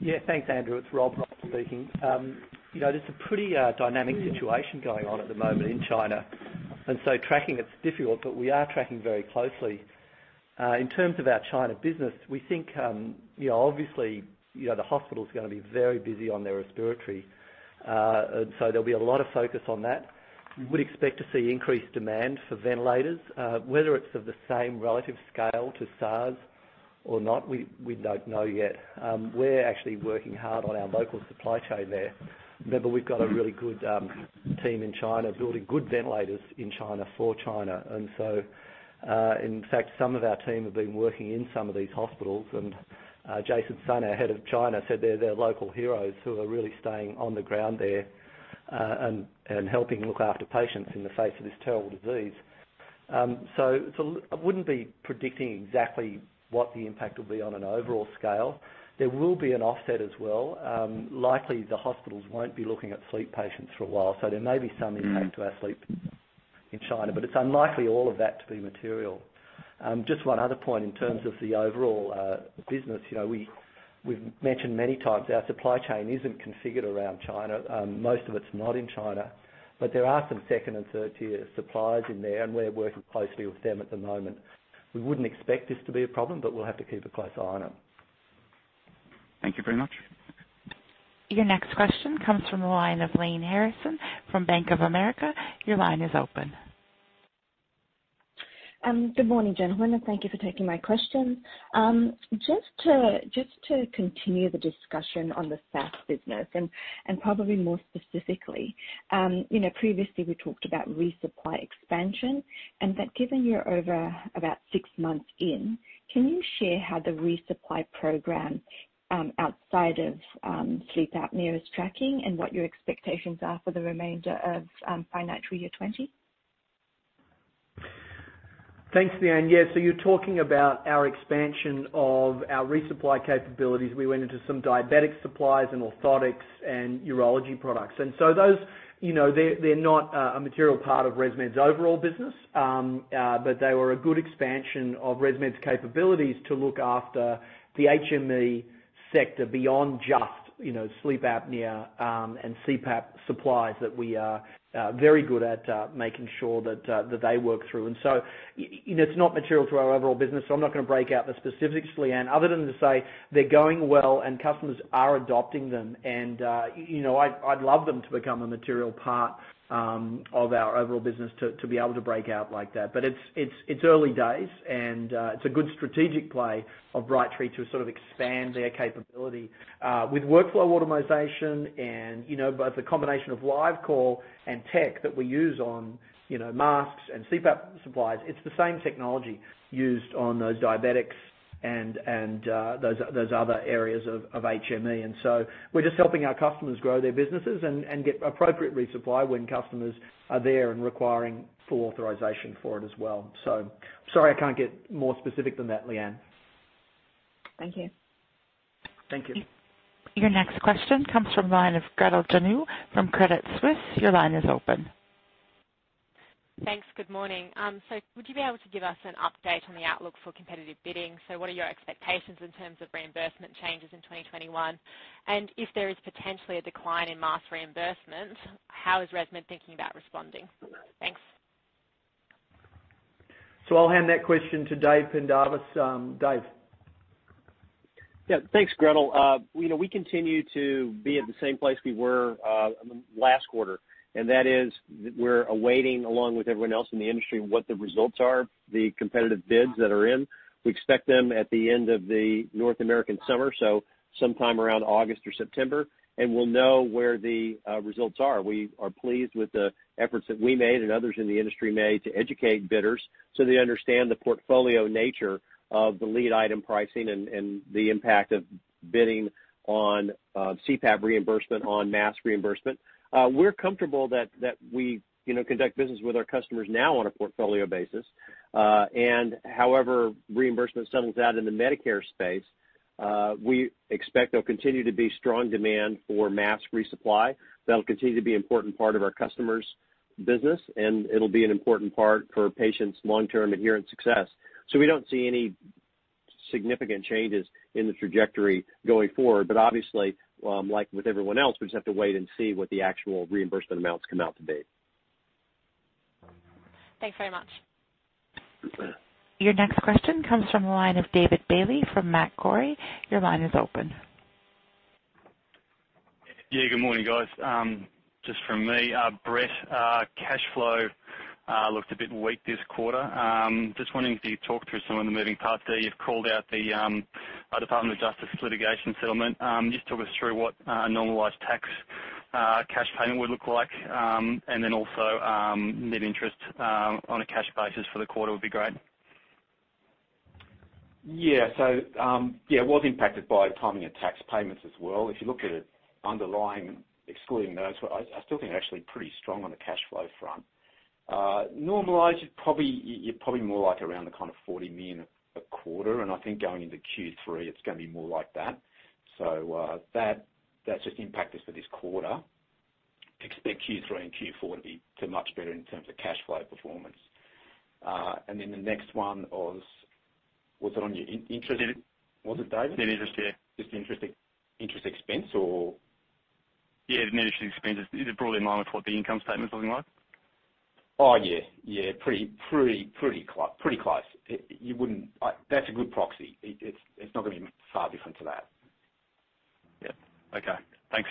Yeah. Thanks, Andrew. It's Rob speaking. It's a pretty dynamic situation going on at the moment in China. Tracking it is difficult, but we are tracking very closely. In terms of our China business, we think, obviously, the hospital's going to be very busy on their respiratory. There'll be a lot of focus on that. We would expect to see increased demand for ventilators. Whether it's of the same relative scale to SARS or not, we don't know yet. We're actually working hard on our local supply chain there. Remember, we've got a really good team in China building good ventilators in China for China. In fact, some of our team have been working in some of these hospitals. Jason Sun, our Head of China, said they're their local heroes who are really staying on the ground there, and helping look after patients in the face of this terrible disease. I wouldn't be predicting exactly what the impact will be on an overall scale. There will be an offset as well. Likely, the hospitals won't be looking at sleep patients for a while, so there may be some impact to our sleep in China, but it's unlikely all of that to be material. Just one other point in terms of the overall business. We've mentioned many times, our supply chain isn't configured around China. Most of it's not in China. There are some second and third-tier suppliers in there, and we're working closely with them at the moment. We wouldn't expect this to be a problem, but we'll have to keep a close eye on it. Thank you very much. Your next question comes from the line of Lyanne Harrison from Bank of America. Your line is open. Good morning, gentlemen, and thank you for taking my question. Just to continue the discussion on the SaaS business, and probably more specifically, previously we talked about resupply expansion, and that given you're over about six months in, can you share how the resupply program, outside of, sleep apnea, is tracking and what your expectations are for the remainder of financial year 2020? Thanks, Lyanne. Yeah, you're talking about our expansion of our resupply capabilities. We went into some diabetic supplies and orthotics and urology products. Those, they're not a material part of ResMed's overall business, but they were a good expansion of ResMed's capabilities to look after the HME sector beyond just sleep apnea and CPAP supplies that we are very good at making sure that they work through. It's not material to our overall business, so I'm not going to break out the specifics, Lyanne, other than to say they're going well and customers are adopting them. I'd love them to become a material part of our overall business to be able to break out like that. It's early days, and it's a good strategic play of Brightree to sort of expand their capability, with workflow automation and both the combination of LiveCall and tech that we use on masks and CPAP supplies. It's the same technology used on those diabetics and those other areas of HME. We're just helping our customers grow their businesses and get appropriate resupply when customers are there and requiring full authorization for it as well. Sorry I can't get more specific than that, Lyanne. Thank you. Thank you. Your next question comes from the line of Gretel Janu from Credit Suisse. Your line is open. Thanks. Good morning. Would you be able to give us an update on the outlook for competitive bidding? What are your expectations in terms of reimbursement changes in 2021? If there is potentially a decline in mask reimbursement, how is ResMed thinking about responding? Thanks. I'll hand that question to David Pendarvis. Dave? Yeah, thanks, Gretel. We continue to be at the same place we were last quarter, and that is we're awaiting, along with everyone else in the industry, what the results are, the competitive bids that are in. We expect them at the end of the North American summer, so sometime around August or September. We'll know where the results are. We are pleased with the efforts that we made and others in the industry made to educate bidders so they understand the portfolio nature of the lead item pricing and the impact of bidding on CPAP reimbursement, on mask reimbursement. We're comfortable that we conduct business with our customers now on a portfolio basis. However reimbursement settles out in the Medicare space, we expect there'll continue to be strong demand for mask resupply. That'll continue to be an important part of our customers' business, and it'll be an important part for patients' long-term adherence success. We don't see any significant changes in the trajectory going forward. Obviously, like with everyone else, we just have to wait and see what the actual reimbursement amounts come out to be. Thanks very much. Your next question comes from the line of David Bailey from Macquarie. Your line is open. Yeah, good morning, guys. Just from me, Brett, cash flow looked a bit weak this quarter. Just wondering if you'd talk through some of the moving parts there. You've called out the Department of Justice litigation settlement. Just talk us through what a normalized tax cash payment would look like, and then also net interest on a cash basis for the quarter would be great. Yeah. It was impacted by the timing of tax payments as well. If you look at it underlying, excluding those, I still think we're actually pretty strong on the cash flow front. Normalized, you're probably more like around the kind of $40 million a quarter, and I think going into Q3, it's going to be more like that. That just impacted us for this quarter. Expect Q3 and Q4 to be much better in terms of cash flow performance. The next one was it on your interest, was it, David? Net interest, yeah. Just interest expense or? Yeah, net interest expense, is it broadly in line with what the income statement is looking like? Oh, yeah. Pretty close. That's a good proxy. It's not going to be far different to that. Yeah. Okay. Thanks.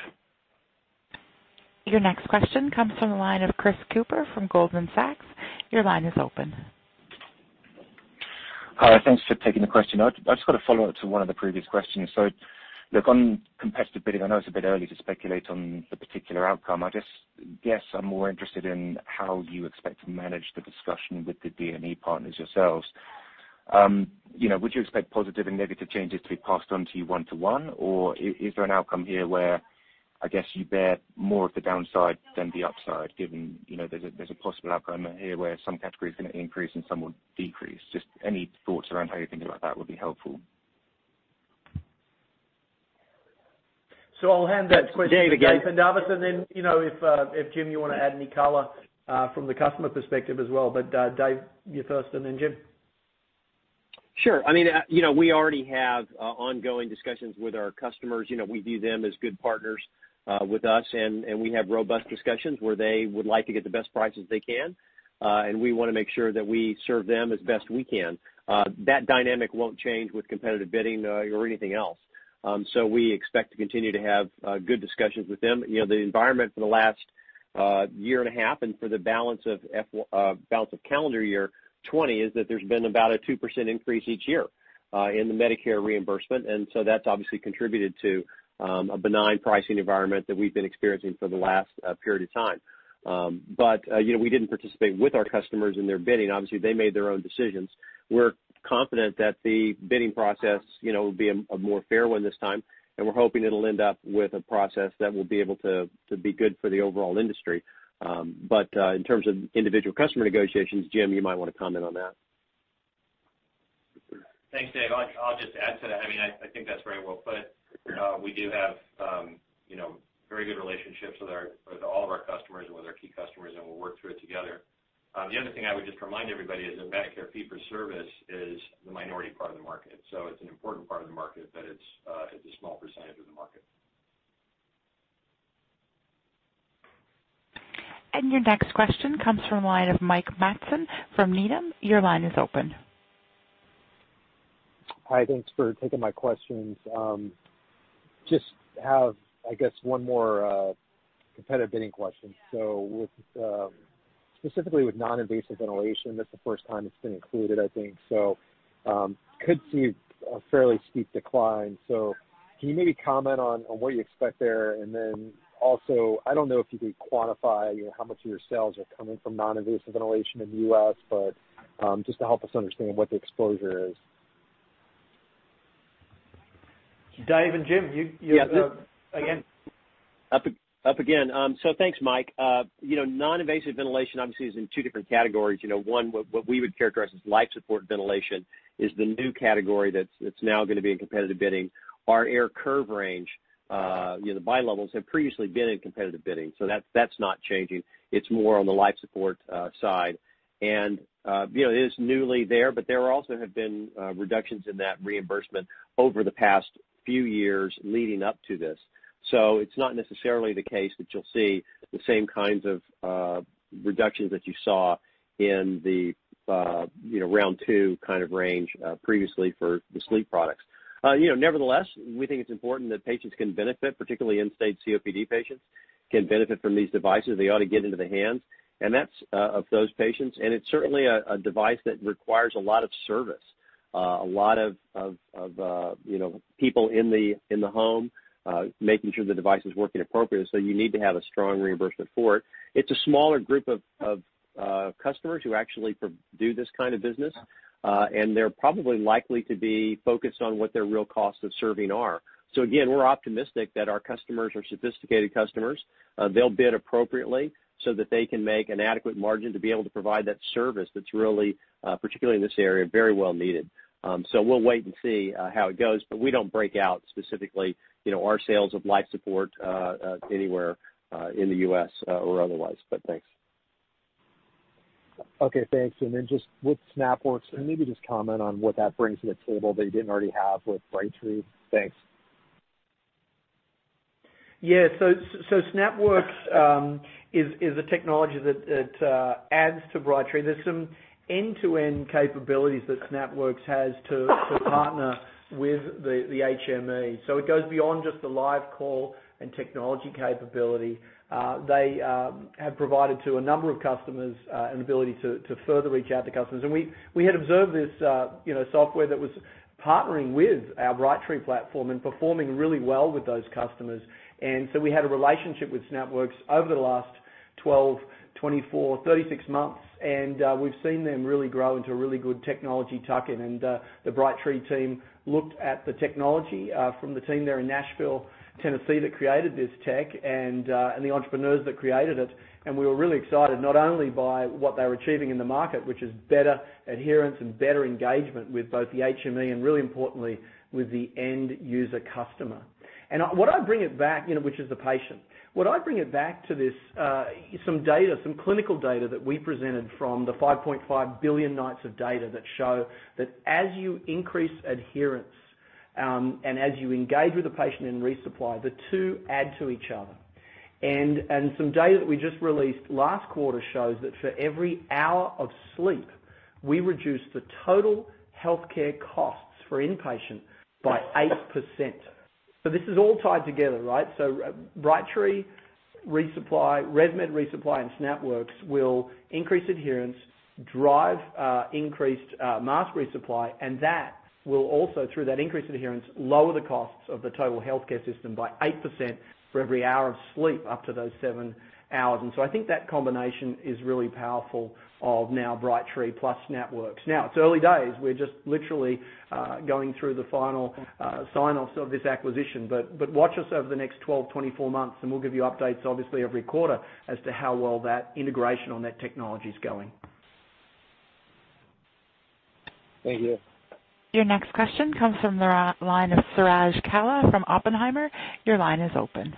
Your next question comes from the line of Chris Cooper from Goldman Sachs. Your line is open. Hi, thanks for taking the question. I've just got a follow-up to one of the previous questions. Look, on competitive bidding, I know it's a bit early to speculate on the particular outcome. I guess I'm more interested in how you expect to manage the discussion with the DME partners yourselves. Would you expect positive and negative changes to be passed on to you one to one? Is there an outcome here where, I guess, you bear more of the downside than the upside, given there's a possible outcome here where some category's going to increase and some will decrease? Just any thoughts around how you're thinking about that would be helpful. I'll hand that question to David. If Jim, you want to add any color from the customer perspective as well. Dave, you first, and then Jim. Sure. We already have ongoing discussions with our customers. We view them as good partners with us, and we have robust discussions where they would like to get the best prices they can. We want to make sure that we serve them as best we can. That dynamic won't change with competitive bidding or anything else. We expect to continue to have good discussions with them. The environment for the last year and a half and for the balance of calendar year 2020 is that there's been about a 2% increase each year in the Medicare reimbursement. That's obviously contributed to a benign pricing environment that we've been experiencing for the last period of time. We didn't participate with our customers in their bidding. Obviously, they made their own decisions. We're confident that the bidding process will be a more fair one this time, and we're hoping it'll end up with a process that will be able to be good for the overall industry. In terms of individual customer negotiations, Jim, you might want to comment on that. Thanks, Dave. I'll just add to that. I think that's very well put. We do have very good relationships with all of our customers and with our key customers. We'll work through it together. The other thing I would just remind everybody is that Medicare fee-for-service is the minority part of the market. It's an important part of the market, but it's a small percent of the market. Your next question comes from the line of Mike Matson from Needham. Your line is open. Hi, thanks for taking my questions. Just have, I guess, one more competitive bidding question. Specifically with non-invasive ventilation, that's the first time it's been included, I think. Could see a fairly steep decline. Can you maybe comment on what you expect there? Also, I don't know if you could quantify how much of your sales are coming from non-invasive ventilation in the U.S., but just to help us understand what the exposure is. Dave and Jim, you again. Up again. Thanks, Mike. Non-invasive ventilation obviously is in two different categories. One, what we would characterize as life support ventilation, is the new category that's now going to be in competitive bidding. Our AirCurve range, the bilevels, have previously been in competitive bidding. That's not changing. It's more on the life support side. It is newly there, but there also have been reductions in that reimbursement over the past few years leading up to this. It's not necessarily the case that you'll see the same kinds of reductions that you saw in the round two kind of range previously for the sleep products. Nevertheless, we think it's important that patients can benefit, particularly end-stage COPD patients can benefit from these devices. They ought to get into the hands of those patients, and it's certainly a device that requires a lot of service, a lot of people in the home, making sure the device is working appropriately. You need to have a strong reimbursement for it. It's a smaller group of customers who actually do this kind of business, and they're probably likely to be focused on what their real costs of serving are. Again, we're optimistic that our customers are sophisticated customers. They'll bid appropriately so that they can make an adequate margin to be able to provide that service that's really, particularly in this area, very well needed. We'll wait and see how it goes, but we don't break out specifically our sales of life support anywhere in the U.S. or otherwise. Thanks. Okay, thanks. Just with SnapWorx, maybe just comment on what that brings to the table that you didn't already have with Brightree. Thanks. Yeah. SnapWorx is a technology that adds to Brightree. There's some end-to-end capabilities that SnapWorx has to partner with the HME. It goes beyond just the live call and technology capability. They have provided to a number of customers an ability to further reach out to customers. We had observed this software that was partnering with our Brightree platform and performing really well with those customers. We had a relationship with SnapWorx over the last 12, 24, 36 months, and we've seen them really grow into a really good technology tuck-in. The Brightree team looked at the technology from the team there in Nashville, Tennessee, that created this tech and the entrepreneurs that created it. We were really excited, not only by what they were achieving in the market, which is better adherence and better engagement with both the HME and, really importantly, with the end user customer, which is the patient. What I bring it back to this, some clinical data that we presented from the 5.5 billion nights of data that show that as you increase adherence, and as you engage with the patient in resupply, the two add to each other. Some data that we just released last quarter shows that for every hour of sleep, we reduce the total healthcare costs for inpatient by 8%. This is all tied together. Brightree Resupply, ResMed ReSupply, and SnapWorx will increase adherence, drive increased mask resupply, and that will also, through that increased adherence, lower the costs of the total healthcare system by 8% for every hour of sleep up to those seven hours. I think that combination is really powerful of now Brightree plus SnapWorx. Now, it's early days. We're just literally going through the final sign-offs of this acquisition. But watch us over the next 12, 24 months, and we'll give you updates, obviously, every quarter as to how well that integration on that technology's going. Thank you. Your next question comes from the line of Suraj Kalia from Oppenheimer. Your line is open.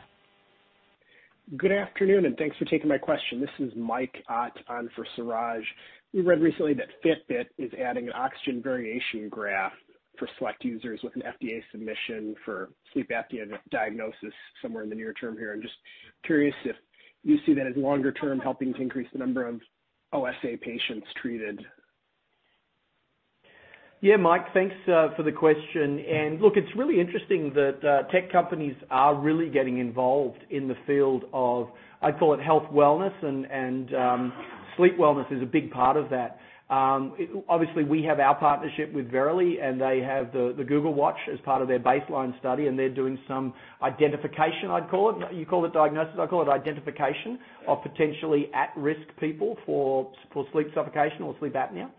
Good afternoon. Thanks for taking my question. This is Mike Ott on for Suraj. We read recently that Fitbit is adding an oxygen variation graph for select users with an FDA submission for sleep apnea diagnosis somewhere in the near term here. I'm just curious if you see that as longer term helping to increase the number of OSA patients treated. Yeah, Mike, thanks for the question. Look, it's really interesting that tech companies are really getting involved in the field of, I call it health wellness, and sleep wellness is a big part of that. Obviously, we have our partnership with Verily, and they have the Google Watch as part of their baseline study, and they're doing some identification, I'd call it. You call it diagnosis, I call it identification of potentially at-risk people for sleep suffocation or sleep apnea.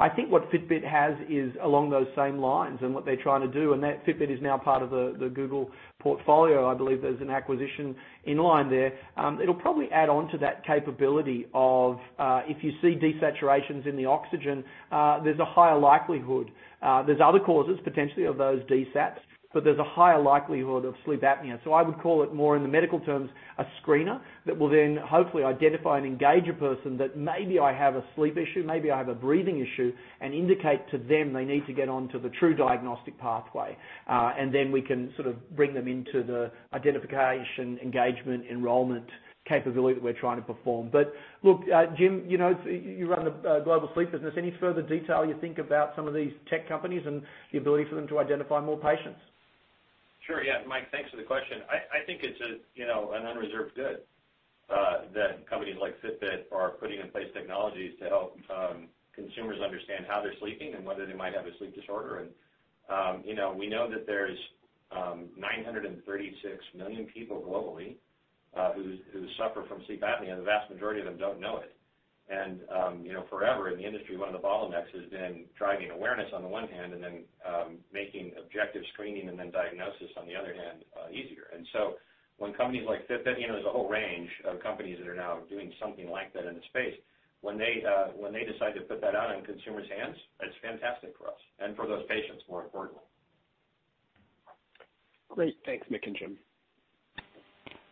I think what Fitbit has is along those same lines and what they're trying to do, and that Fitbit is now part of the Google portfolio. I believe there's an acquisition in line there. It'll probably add on to that capability of, if you see desaturations in the oxygen, there's a higher likelihood. There's other causes, potentially, of those desats, but there's a higher likelihood of sleep apnea. I would call it more, in the medical terms, a screener that will then hopefully identify and engage a person that maybe I have a sleep issue, maybe I have a breathing issue, and indicate to them they need to get onto the true diagnostic pathway. Then we can sort of bring them into the identification, engagement, enrollment capability that we're trying to perform. Look, Jim, you run a global sleep business. Any further detail you think about some of these tech companies and the ability for them to identify more patients? Sure, yeah. Mike, thanks for the question. I think it's an unreserved good that companies like Fitbit are putting in place technologies to help consumers understand how they're sleeping and whether they might have a sleep disorder. We know that there's 936 million people globally who suffer from sleep apnea, and the vast majority of them don't know it. Forever in the industry, one of the bottlenecks has been driving awareness on the one hand, and then making objective screening and then diagnosis, on the other hand, easier. There's a whole range of companies that are now doing something like that in the space. When they decide to put that out in consumers' hands, that's fantastic for us and for those patients, more importantly. Great. Thanks, Mick and Jim.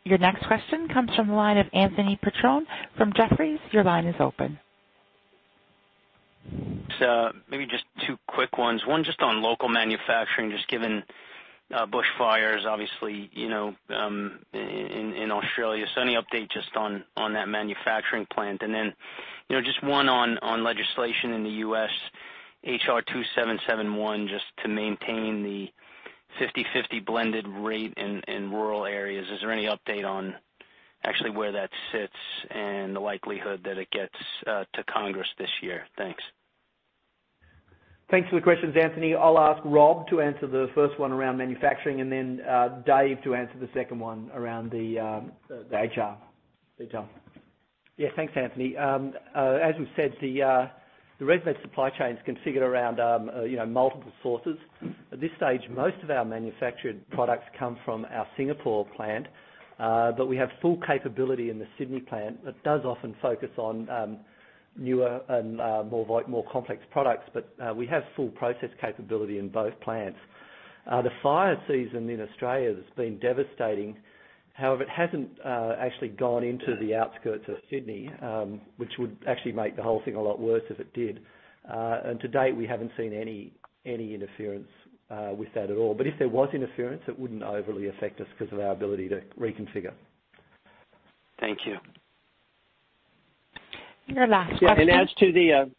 Your next question comes from the line of Anthony Petrone from Jefferies. Your line is open. Maybe just two quick ones. One just on local manufacturing, just given bushfires, obviously, in Australia. Any update just on that manufacturing plant? Just one on legislation in the U.S., H.R.2771, just to maintain the 50/50 blended rate in rural areas. Is there any update on actually where that sits and the likelihood that it gets to Congress this year? Thanks. Thanks for the questions, Anthony. I'll ask Rob to answer the first one around manufacturing and then Dave to answer the second one around the HR detail. Yeah. Thanks, Anthony. As we've said, the ResMed supply chain is configured around multiple sources. At this stage, most of our manufactured products come from our Singapore plant. We have full capability in the Sydney plant that does often focus on newer and more complex products. We have full process capability in both plants. The fire season in Australia has been devastating. However, it hasn't actually gone into the outskirts of Sydney, which would actually make the whole thing a lot worse if it did. To date, we haven't seen any interference with that at all. If there was interference, it wouldn't overly affect us because of our ability to reconfigure. Thank you. Your last question— As to the—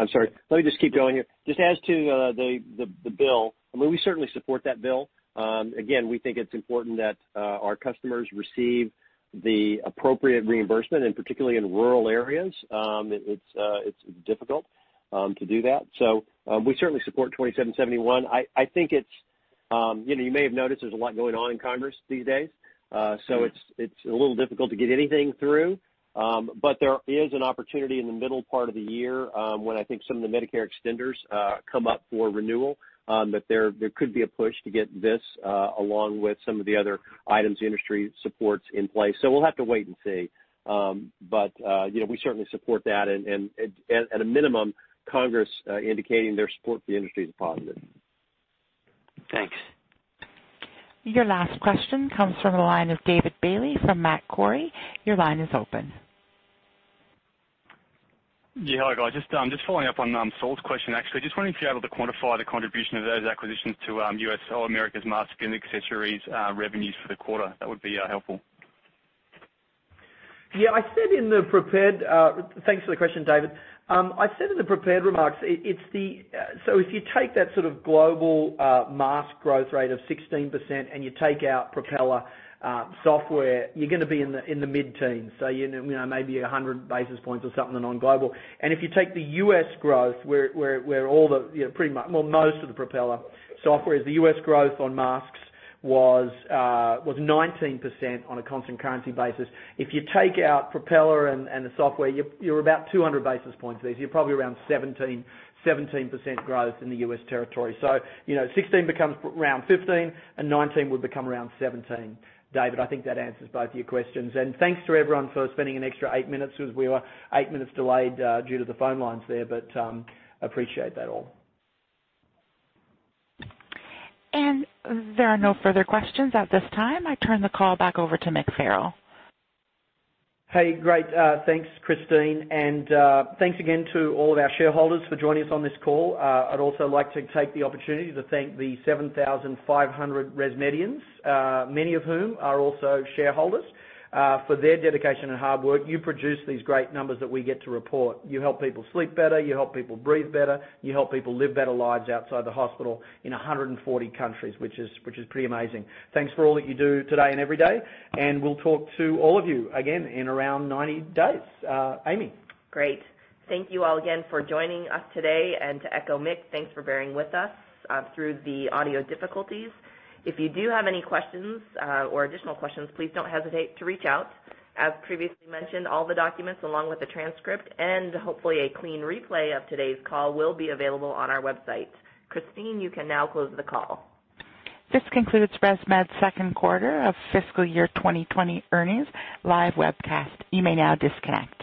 I'm sorry, let me just keep going here. Just as to the bill, we certainly support that bill. Again, we think it's important that our customers receive the appropriate reimbursement, and particularly in rural areas, it's difficult to do that. We certainly support 2771. You may have noticed there's a lot going on in Congress these days. It's a little difficult to get anything through. There is an opportunity in the middle part of the year, when I think some of the Medicare extenders come up for renewal, that there could be a push to get this, along with some of the other items the industry supports in place. We'll have to wait and see. We certainly support that, and at a minimum, Congress indicating their support for the industry is positive. Thanks. Your last question comes from the line of David Bailey from Macquarie. Your line is open. Yeah. Hi, guys. Following up on Saul's question, actually. Wondering if you're able to quantify the contribution of those acquisitions to U.S. or America's mask and accessories revenues for the quarter. That would be helpful. Yeah, thanks for the question, David. I said in the prepared remarks, if you take that sort of global mask growth rate of 16% and you take out Propeller software, you're going to be in the mid-teens, maybe 100 basis points or something on global. If you take the U.S. growth, where most of the Propeller software is, the U.S. growth on masks was 19% on a constant currency basis. If you take out Propeller and the software, you're about 200 basis points of these. You're probably around 17% growth in the U.S. territory. 16 becomes around 15, 19 would become around 17. David, I think that answers both your questions. Thanks to everyone for spending an extra eight minutes as we were eight minutes delayed, due to the phone lines there, appreciate that all. There are no further questions at this time. I turn the call back over to Mick Farrell. Hey, great. Thanks, Christine. Thanks again to all of our shareholders for joining us on this call. I'd also like to take the opportunity to thank the 7,500 ResMedians, many of whom are also shareholders, for their dedication and hard work. You produce these great numbers that we get to report. You help people sleep better, you help people breathe better, you help people live better lives outside the hospital in 140 countries, which is pretty amazing. Thanks for all that you do today and every day. We'll talk to all of you again in around 90 days. Amy. Great. Thank you all again for joining us today. To echo Mick, thanks for bearing with us through the audio difficulties. If you do have any questions or additional questions, please don't hesitate to reach out. As previously mentioned, all the documents along with the transcript and hopefully a clean replay of today's call will be available on our website. Christine, you can now close the call. This concludes ResMed's second quarter of fiscal year 2020 earnings live webcast. You may now disconnect.